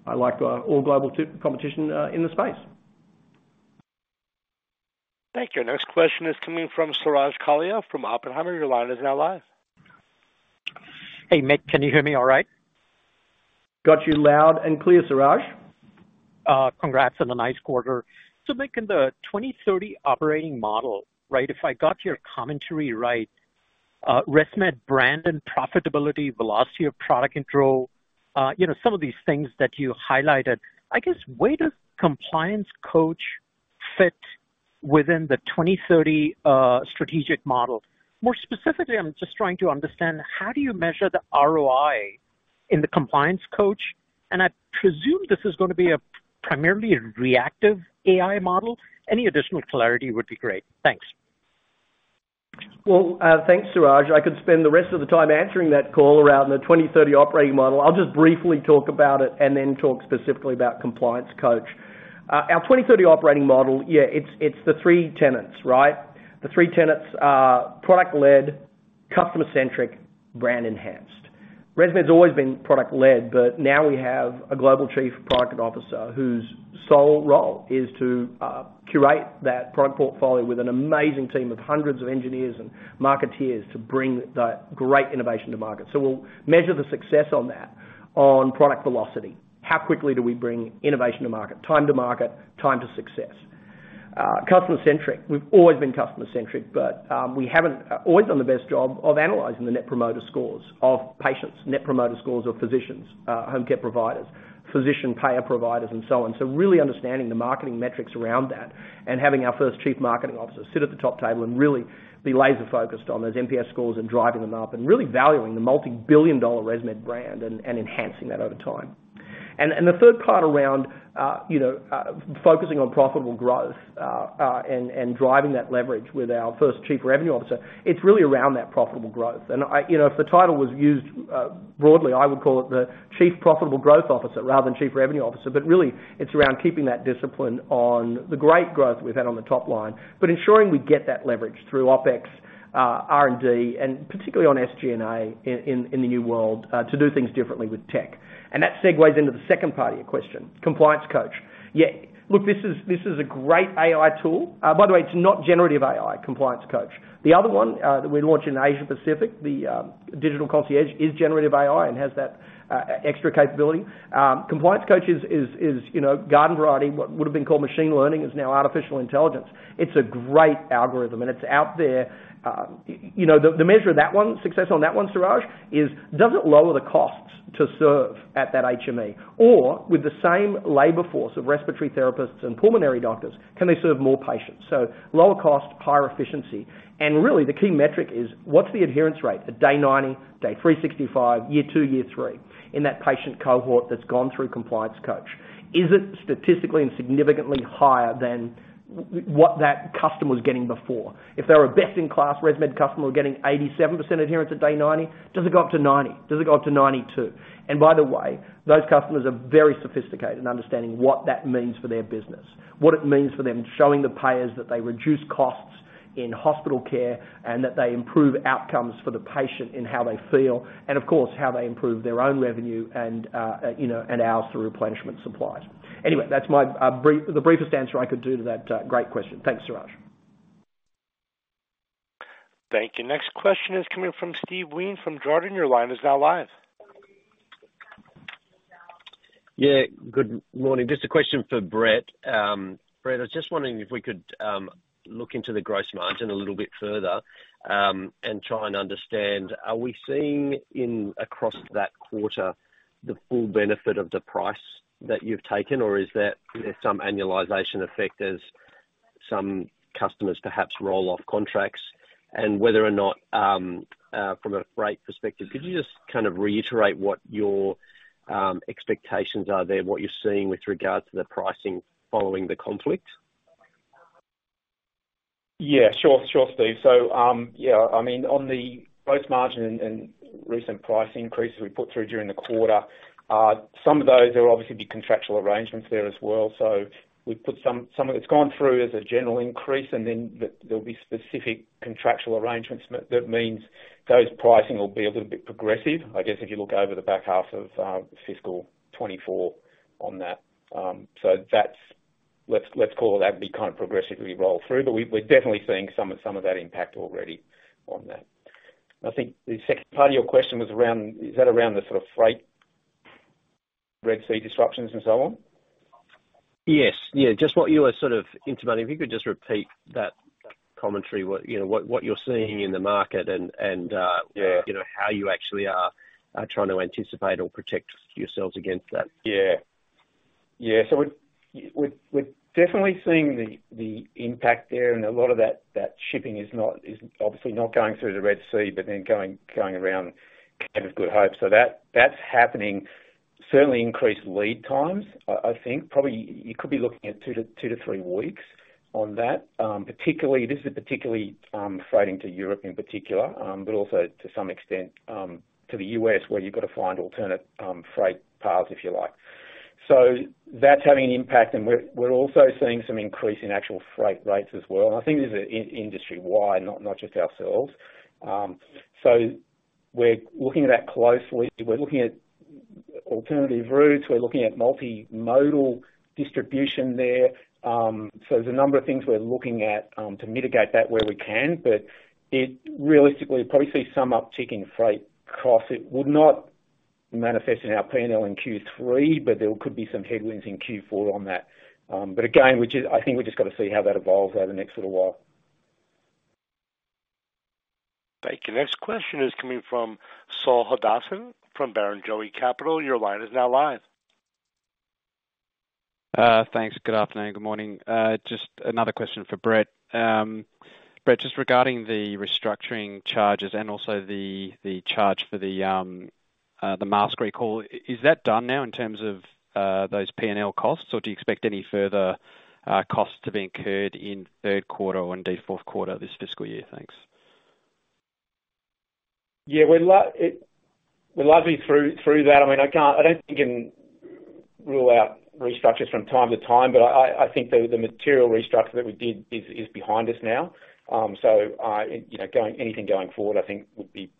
I like all global competition in the space. Thank you. Our next question is coming from Suraj Kalia from Oppenheimer. Your line is now live. Hey, Mick, can you hear me all right? Got you loud and clear, Suraj. Congrats on the nice quarter. So, Mick, in the 2030 operating model, right, if I got your commentary right, ResMed brand and profitability, velocity of product control, you know, some of these things that you highlighted, I guess, where does Compliance Coach fit within the 2030, strategic model? More specifically, I'm just trying to understand: How do you measure the ROI in the Compliance Coach, and I presume this is going to be a primarily a reactive AI model. Any additional clarity would be great? Thanks. Well, thanks, Suraj. I could spend the rest of the time answering that call around the 2030 operating model. I'll just briefly talk about it and then talk specifically about Compliance Coach. Our 2030 operating model, yeah, it's, it's the three tenets, right? The three tenets are product-led, customer-centric, brand-enhanced. ResMed's always been product-led, but now we have a global chief product officer whose sole role is to curate that product portfolio with an amazing team of hundreds of engineers and marketeers to bring that great innovation to market. So we'll measure the success on that, on product velocity. How quickly do we bring innovation to market, time to market, time to success? Customer centric. We've always been customer centric, but, we haven't always done the best job of analyzing the net promoter scores of patients, net promoter scores of physicians, home care providers, physician payer providers, and so on. So really understanding the marketing metrics around that and having our first Chief Marketing Officer sit at the top table and really be laser focused on those NPS scores and driving them up, and really valuing the multibillion-dollar ResMed brand and, and enhancing that over time. And the third part around, you know, focusing on profitable growth, and driving that leverage with our first Chief Revenue Officer, it's really around that profitable growth. And I... You know, if the title was used, broadly, I would call it the Chief Profitable Growth Officer rather than Chief Revenue Officer. But really, it's around keeping that discipline on the great growth we've had on the top line, but ensuring we get that leverage through OpEx, R&D, and particularly on SG&A, in the new world, to do things differently with tech. And that segues into the second part of your question: Compliance Coach. Yeah, look, this is a great AI tool. By the way, it's not generative AI, Compliance Coach. The other one, that we launched in Asia Pacific, the Digital Concierge, is generative AI and has that extra capability. Compliance Coach is, you know, garden variety. What would have been called machine learning is now artificial intelligence. It's a great algorithm, and it's out there. You know, the measure of that one, success on that one, Suraj, is, does it lower the costs to serve at that HME? Or with the same labor force of respiratory therapists and pulmonary doctors, can they serve more patients? So lower cost, higher efficiency. And really, the key metric is: What's the adherence rate at day 90, day 365, year two, year three in that patient cohort that's gone through Compliance Coach? Is it statistically and significantly higher than what that customer was getting before? If they're a best-in-class ResMed customer getting 87% adherence at day 90, does it go up to 90? Does it go up to 92? And by the way, those customers are very sophisticated in understanding what that means for their business, what it means for them, showing the payers that they reduce costs in hospital care, and that they improve outcomes for the patient in how they feel, and of course, how they improve their own revenue and, you know, and ours through replenishment supplies. Anyway, that's my, brief-- the briefest answer I could do to that, great question. Thanks, Suraj. Thank you. Next question is coming from Steve Wheen from Jarden. Your line is now live. Yeah, good morning. Just a question for Brett. Brett, I was just wondering if we could look into the gross margin a little bit further and try and understand, are we seeing across that quarter the full benefit of the price that you've taken, or is there some annualization effect as some customers perhaps roll off contracts? And whether or not from a freight perspective, could you just kind of reiterate what your expectations are there, what you're seeing with regards to the pricing following the conflict? Yeah, sure. Sure, Steve. So, yeah, I mean, on the gross margin and recent price increases we put through during the quarter, some of those, there will obviously be contractual arrangements there as well. So we've put some of it's gone through as a general increase, and then there'll be specific contractual arrangements. That means those pricing will be a little bit progressive, I guess, if you look over the back half of fiscal 2024 on that. So that's - let's call that be kind of progressively roll through, but we're definitely seeing some of that impact already on that. I think the second part of your question was around, is that around the sort of freight, Red Sea disruptions and so on? Yes. Yeah, just what you were sort of intimating. If you could just repeat that commentary, what, you know, what you're seeing in the market and, and- Yeah... you know, how you actually are trying to anticipate or protect yourselves against that? Yeah. Yeah, so we're definitely seeing the impact there, and a lot of that shipping is obviously not going through the Red Sea, but then going around Cape of Good Hope. So that's happening. Certainly increased lead times, I think. Probably you could be looking at two-three weeks on that. Particularly, this is particularly freighting to Europe in particular, but also to some extent to the U.S., where you've got to find alternate freight paths, if you like. So that's having an impact, and we're also seeing some increase in actual freight rates as well. I think this is industry-wide, not just ourselves. So we're looking at that closely. We're looking at alternative routes, we're looking at multimodal distribution there. So there's a number of things we're looking at, to mitigate that where we can, but it realistically probably see some upticking freight costs. It would not manifest in our P&L in Q3, but there could be some headwinds in Q4 on that. But again, we just—I think we just got to see how that evolves over the next little while. Thank you. Next question is coming from Saul Hadassin, from Barrenjoey Capital. Your line is now live.... Thanks. Good afternoon. Good morning. Just another question for Brett. Brett, just regarding the restructuring charges and also the charge for the mask recall, is that done now in terms of those PNL costs, or do you expect any further costs to be incurred in third quarter and the fourth quarter of this fiscal year? Thanks. Yeah, we're largely through that. I mean, I can't, I don't think you can rule out restructures from time to time, but I think the material restructure that we did is behind us now. So, you know, anything going forward, I think would be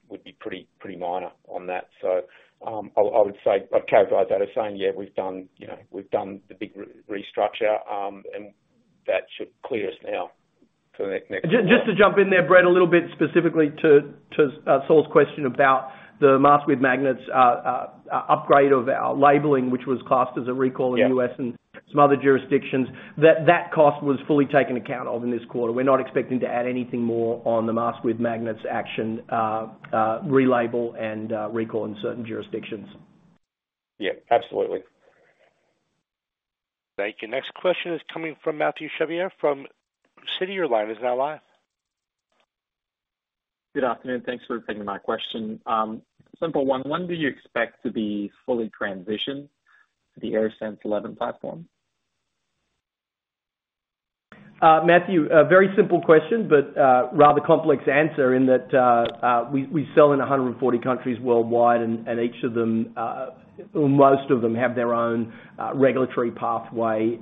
pretty minor on that. So, I would say I'd characterize that as saying, yeah, we've done, you know, we've done the big restructure, and that should clear us now for the next- Just to jump in there, Brett, a little bit specifically to Saul's question about the mask with magnets, upgrade of our labeling, which was classed as a recall in the U.S.- Yeah and some other jurisdictions. That cost was fully taken account of in this quarter. We're not expecting to add anything more on the mask with magnets action, relabel and recall in certain jurisdictions. Yeah, absolutely. Thank you. Next question is coming from David Low from Citi. Your line is now live. Good afternoon. Thanks for taking my question. Simple one. When do you expect to be fully transitioned to the AirSense 11 platform? Mathieu, a very simple question, but rather complex answer in that we sell in 140 countries worldwide, and each of them, most of them have their own regulatory pathway,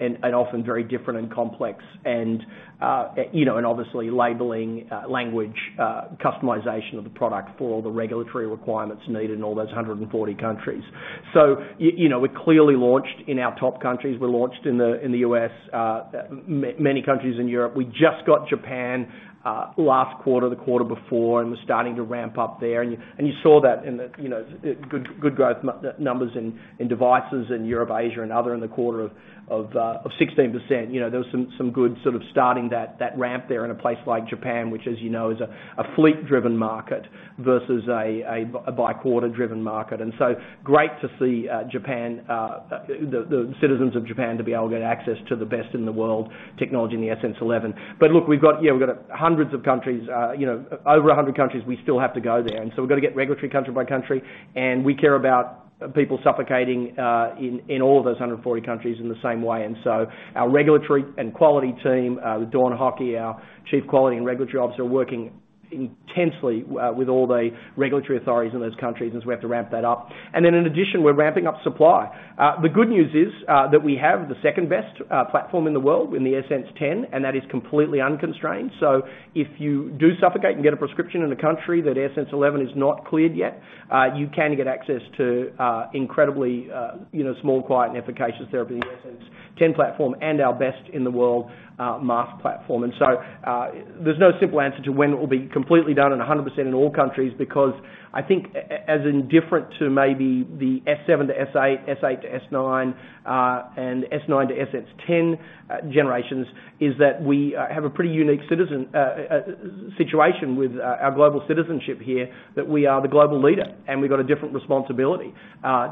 and often very different and complex, and you know, and obviously labeling, language, customization of the product for all the regulatory requirements needed in all those 140 countries. So you know, we're clearly launched in our top countries. We're launched in the U.S., many countries in Europe. We just got Japan last quarter, the quarter before, and we're starting to ramp up there. And you saw that in the good growth numbers in devices in Europe, Asia and other in the quarter of 16%. You know, there was some good sort of start to that ramp there in a place like Japan, which, as you know, is a fleet-driven market versus a replacement-driven market. And so great to see Japan, the citizens of Japan, to be able to get access to the best-in-the-world technology in the AirSense 11. But look, we've got, yeah, we've got hundreds of countries, you know, over 100 countries, we still have to go there. And so we've got to get regulatory country by country, and we care about people suffocating in all of those 140 countries in the same way. And so our regulatory and quality team, with Dawn Haake, our Chief Quality and Regulatory Officer, are working intensely with all the regulatory authorities in those countries, and so we have to ramp that up. And then in addition, we're ramping up supply. The good news is that we have the second-best platform in the world in the AirSense 11, and that is completely unconstrained. So if you do suffocate and get a prescription in a country that AirSense 11 is not cleared yet, you can get access to incredibly, you know, small, quiet, and efficacious therapy, AirSense 11 platform and our best-in-the-world mask platform. So, there's no simple answer to when it will be completely done and 100% in all countries, because I think as in different to maybe the S7 to S8, S8 to S9, and S9 to AirSense 11 generations, is that we have a pretty unique situation with our global citizenship here, that we are the global leader, and we've got a different responsibility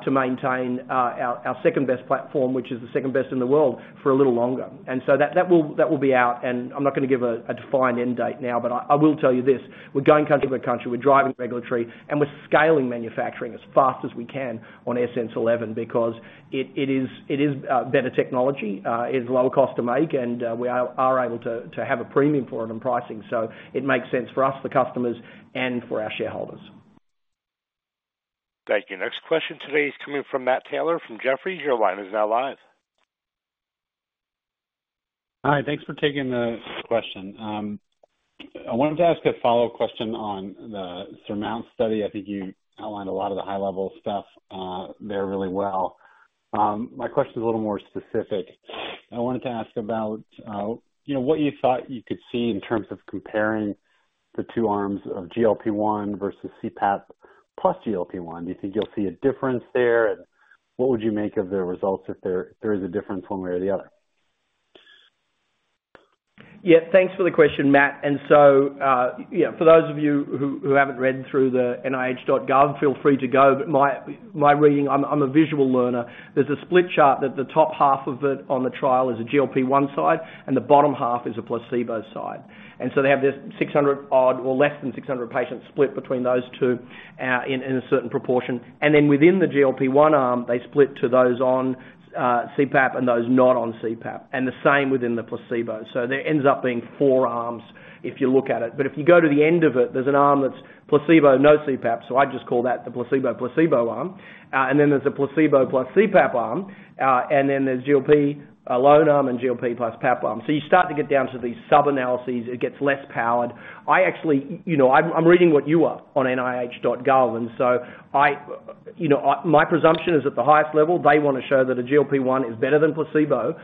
to maintain our second-best platform, which is the second best in the world, for a little longer. And so that will be out, and I'm not going to give a defined end date now, but I will tell you this: we're going country by country, we're driving regulatory, and we're scaling manufacturing as fast as we can on AirSense 11 because it is better technology, it's lower cost to make, and we are able to have a premium for it in pricing. So it makes sense for us, the customers, and for our shareholders. Thank you. Next question today is coming from Matt Taylor from Jefferies. Your line is now live. Hi, thanks for taking the question. I wanted to ask a follow-up question on the SURMOUNT study. I think you outlined a lot of the high-level stuff, there really well. My question is a little more specific. I wanted to ask about, you know, what you thought you could see in terms of comparing the two arms of GLP-1 versus CPAP plus GLP-1. Do you think you'll see a difference there? And what would you make of the results if there is a difference one way or the other? Yeah, thanks for the question, Matt. And so, yeah, for those of you who haven't read through the nih.gov, feel free to go, but my reading, I'm a visual learner. There's a split chart that the top half of it on the trial is a GLP-1 side, and the bottom half is a placebo side. And so they have this 600 odd or less than 600 patients split between those two, in a certain proportion. And then within the GLP-1 arm, they split to those on CPAP and those not on CPAP, and the same within the placebo. So there ends up being four arms if you look at it, but if you go to the end of it, there's an arm that's placebo, no CPAP, so I just call that the placebo, placebo arm. And then there's a placebo plus CPAP arm, and then there's GLP alone arm and GLP plus PAP arm. So you start to get down to these sub-analyses, it gets less powered. I actually... You know, I'm reading what you are on NIH.gov, and so I, you know, my presumption is, at the highest level, they want to show that a GLP-1 is better than placebo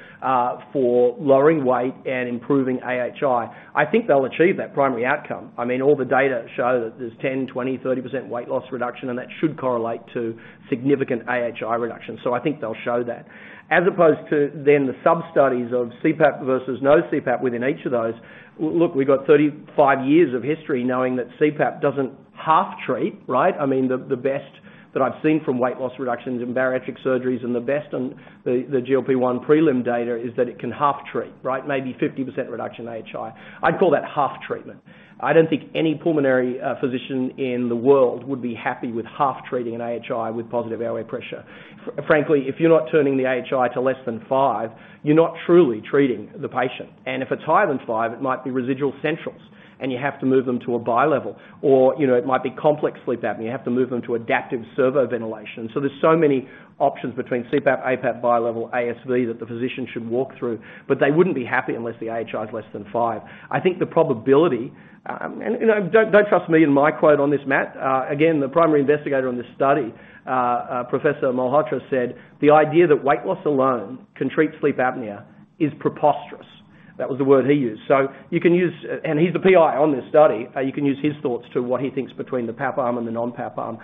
for lowering weight and improving AHI. I think they'll achieve that primary outcome. I mean, all the data show that there's 10%, 20%, 30% weight loss reduction, and that should correlate to significant AHI reduction. So I think they'll show that. As opposed to then the sub-studies of CPAP versus no CPAP within each of those, look, we've got 35 years of history knowing that CPAP doesn't half treat, right? I mean, the best-... that I've seen from weight loss reductions in bariatric surgeries, and the best on the GLP-1 prelim data is that it can half treat, right? Maybe 50% reduction in AHI. I'd call that half treatment. I don't think any pulmonary physician in the world would be happy with half treating an AHI with positive airway pressure. Frankly, if you're not turning the AHI to less than five, you're not truly treating the patient. And if it's higher than five, it might be residual centrals, and you have to move them to a BiLevel, or, you know, it might be complex sleep apnea. You have to move them to adaptive servo ventilation. So there's so many options between CPAP, APAP, BiLevel, ASV, that the physician should walk through, but they wouldn't be happy unless the AHI is less than five. I think the probability, and, you know, don't, don't trust me and my quote on this, Matt. Again, the primary investigator on this study, Professor Malhotra, said, "The idea that weight loss alone can treat sleep apnea is preposterous." That was the word he used. So you can use... And he's the PI on this study, you can use his thoughts to what he thinks between the PAP arm and the non-PAP arm.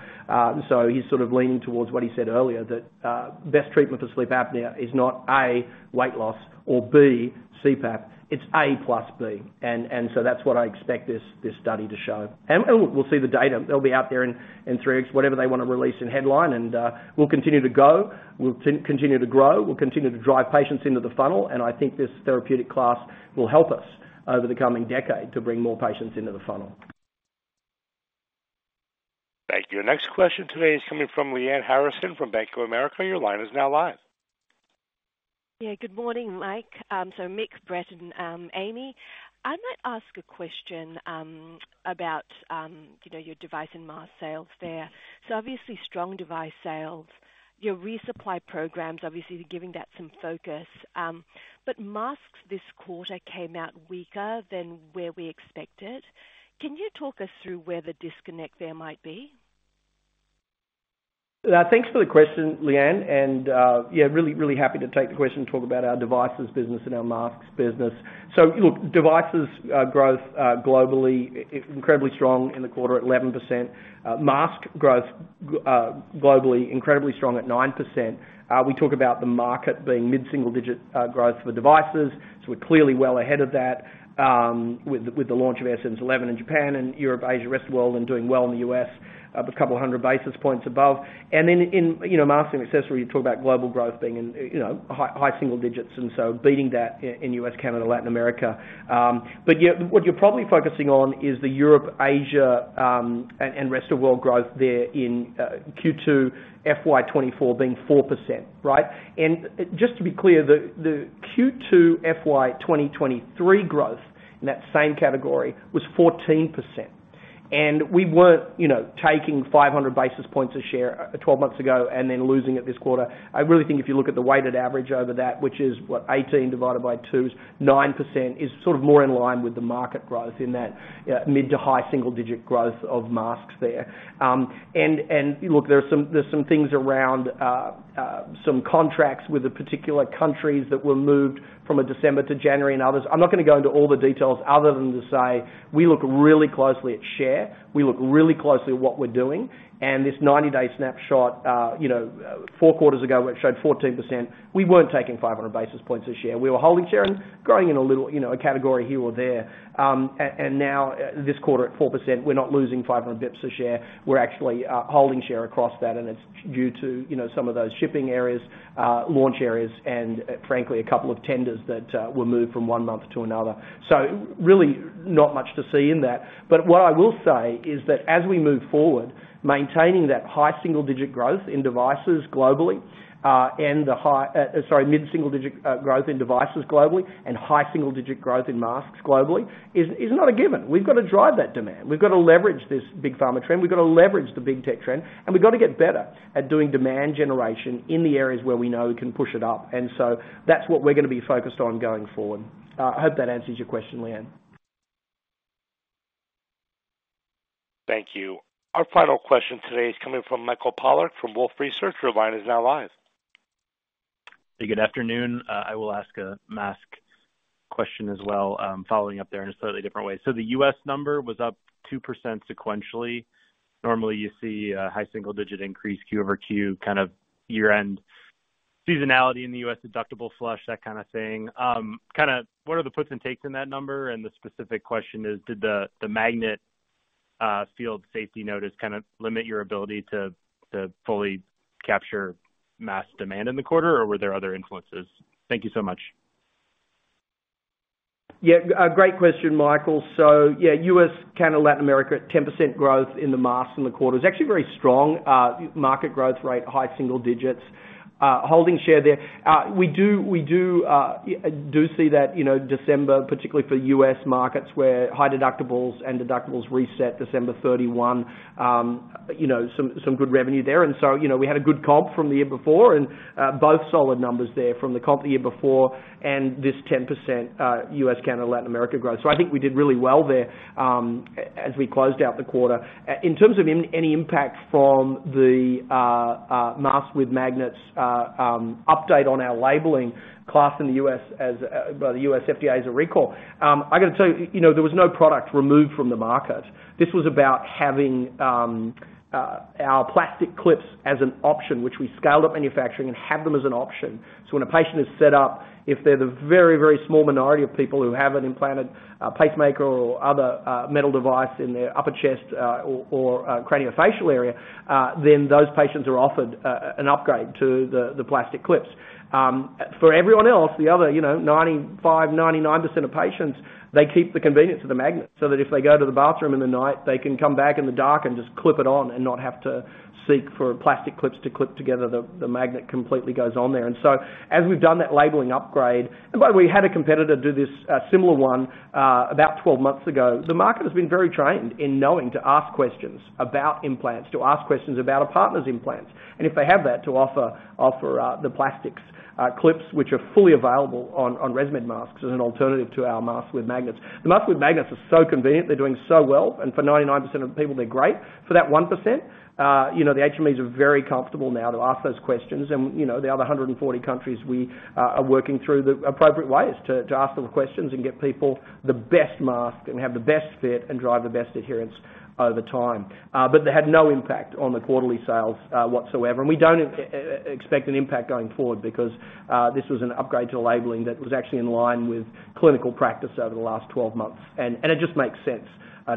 So he's sort of leaning towards what he said earlier, that, best treatment for sleep apnea is not, A, weight loss, or B, CPAP. It's A plus B, and, and so that's what I expect this, this study to show. And, and we'll see the data. They'll be out there in three weeks, whatever they want to release in headline, and we'll continue to go, we'll continue to grow, we'll continue to drive patients into the funnel, and I think this therapeutic class will help us over the coming decade to bring more patients into the funnel. Thank you. Next question today is coming from Lyanne Harrison, from Bank of America. Your line is now live. Yeah, good morning, Mike. So Mick, Brett, and Amy, I might ask a question about you know, your device and mask sales there. So obviously, strong device sales. Your resupply programs, obviously, you're giving that some focus. But masks this quarter came out weaker than where we expected. Can you talk us through where the disconnect there might be? Thanks for the question, Lyanne, and yeah, really, really happy to take the question and talk about our devices business and our masks business. So look, devices growth globally incredibly strong in the quarter at 11%. Mask growth globally incredibly strong at 9%. We talk about the market being mid-single-digit growth for devices, so we're clearly well ahead of that, with the launch of S11 in Japan and Europe, Asia, rest of the world, and doing well in the U.S., up a couple of hundred basis points above. Then in, you know, masks and accessories, you talk about global growth being in, you know, high, high single digits, and so beating that in U.S., Canada, Latin America. But yet, what you're probably focusing on is the Europe, Asia, and rest of world growth there in Q2 FY 2024 being 4%, right? And just to be clear, the Q2 FY 2023 growth in that same category was 14%. And we weren't, you know, taking 500 basis points a share 12 months ago and then losing it this quarter. I really think if you look at the weighted average over that, which is, what? 18 divided by 2, 9% is sort of more in line with the market growth in that mid- to high-single-digit growth of masks there. And look, there are some— there's some things around some contracts with particular countries that were moved from a December to January and others. I'm not gonna go into all the details other than to say, we look really closely at share. We look really closely at what we're doing. And this 90-day snapshot, you know, four quarters ago, which showed 14%, we weren't taking 500 basis points a share. We were holding share and growing in a little, you know, a category here or there. And now, this quarter at 4%, we're not losing 500 bips a share. We're actually holding share across that, and it's due to, you know, some of those shipping areas, launch areas, and frankly, a couple of tenders that were moved from one month to another. So really, not much to see in that. But what I will say is that as we move forward, maintaining that high single digit growth in devices globally, and the high, sorry, mid-single digit, growth in devices globally and high single digit growth in masks globally is not a given. We've got to drive that demand. We've got to leverage this big pharma trend. We've got to leverage the big tech trend, and we've got to get better at doing demand generation in the areas where we know we can push it up. And so that's what we're gonna be focused on going forward. I hope that answers your question, Gretel. Thank you. Our final question today is coming from Michael Polark from Wolfe Research. Your line is now live. Good afternoon. I will ask a mask question as well, following up there in a slightly different way. So the U.S. number was up 2% sequentially. Normally, you see a high single-digit increase Q over Q, kind of year-end seasonality in the U.S., deductible flush, that kind of thing. Kind of what are the puts and takes in that number? And the specific question is, did the magnet field safety notice kind of limit your ability to fully capture mask demand in the quarter, or were there other influences? Thank you so much.... Yeah, a great question, Michael. So, yeah, U.S., Canada, Latin America, 10% growth in the masks in the quarter is actually very strong. Market growth rate, high single digits, holding share there. We do, we do, do see that, you know, December, particularly for U.S. markets, where high deductibles and deductibles reset December 31, you know, some, some good revenue there. And so, you know, we had a good comp from the year before, and, both solid numbers there from the comp the year before, and this 10%, U.S., Canada, Latin America growth. So I think we did really well there, as we closed out the quarter. In terms of any impact from the mask with magnets, update on our labeling classified by the U.S. FDA as a recall. I got to tell you, you know, there was no product removed from the market. This was about having our plastic clips as an option, which we scaled up manufacturing and have them as an option. So when a patient is set up, if they're the very, very small minority of people who have an implanted pacemaker or other metal device in their upper chest, or craniofacial area, then those patients are offered an upgrade to the plastic clips. For everyone else, the other, you know, 95%-99% of patients, they keep the convenience of the magnet so that if they go to the bathroom in the night, they can come back in the dark and just clip it on and not have to seek for plastic clips to clip together. The, the magnet completely goes on there. And so as we've done that labeling upgrade, and by the way, we had a competitor do this, similar one, about 12 months ago. The market has been very trained in knowing to ask questions about implants, to ask questions about a partner's implant, and if they have that, to offer, offer, the plastics, clips, which are fully available on, on ResMed masks as an alternative to our masks with magnets. The masks with magnets are so convenient, they're doing so well, and for 99% of the people, they're great. For that 1%, you know, the HMEs are very comfortable now to ask those questions. You know, the other 140 countries, we are working through the appropriate ways to ask them the questions and get people the best mask and have the best fit and drive the best adherence over time. But they had no impact on the quarterly sales whatsoever, and we don't expect an impact going forward because this was an upgrade to the labeling that was actually in line with clinical practice over the last 12 months. And it just makes sense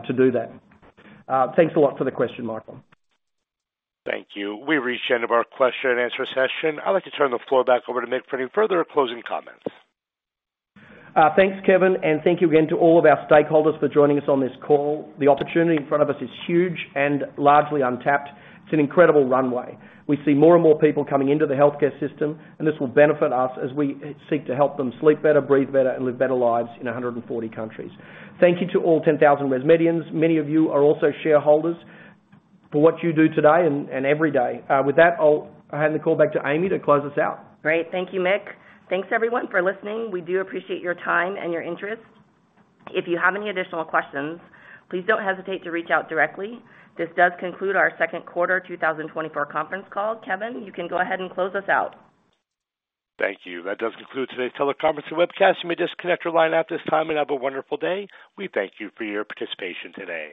to do that. Thanks a lot for the question, Michael. Thank you. We've reached the end of our question-and-answer session. I'd like to turn the floor back over to Mick for any further closing comments. Thanks, Kevin, and thank you again to all of our stakeholders for joining us on this call. The opportunity in front of us is huge and largely untapped. It's an incredible runway. We see more and more people coming into the healthcare system, and this will benefit us as we seek to help them sleep better, breathe better, and live better lives in 140 countries. Thank you to all 10,000 ResMedians, many of you are also shareholders, for what you do today and every day. With that, I'll hand the call back to Amy to close us out. Great. Thank you, Mick. Thanks, everyone, for listening. We do appreciate your time and your interest. If you have any additional questions, please don't hesitate to reach out directly. This does conclude our second quarter, 2024 conference call. Kevin, you can go ahead and close us out. Thank you. That does conclude today's teleconference and webcast. You may disconnect your line at this time and have a wonderful day. We thank you for your participation today.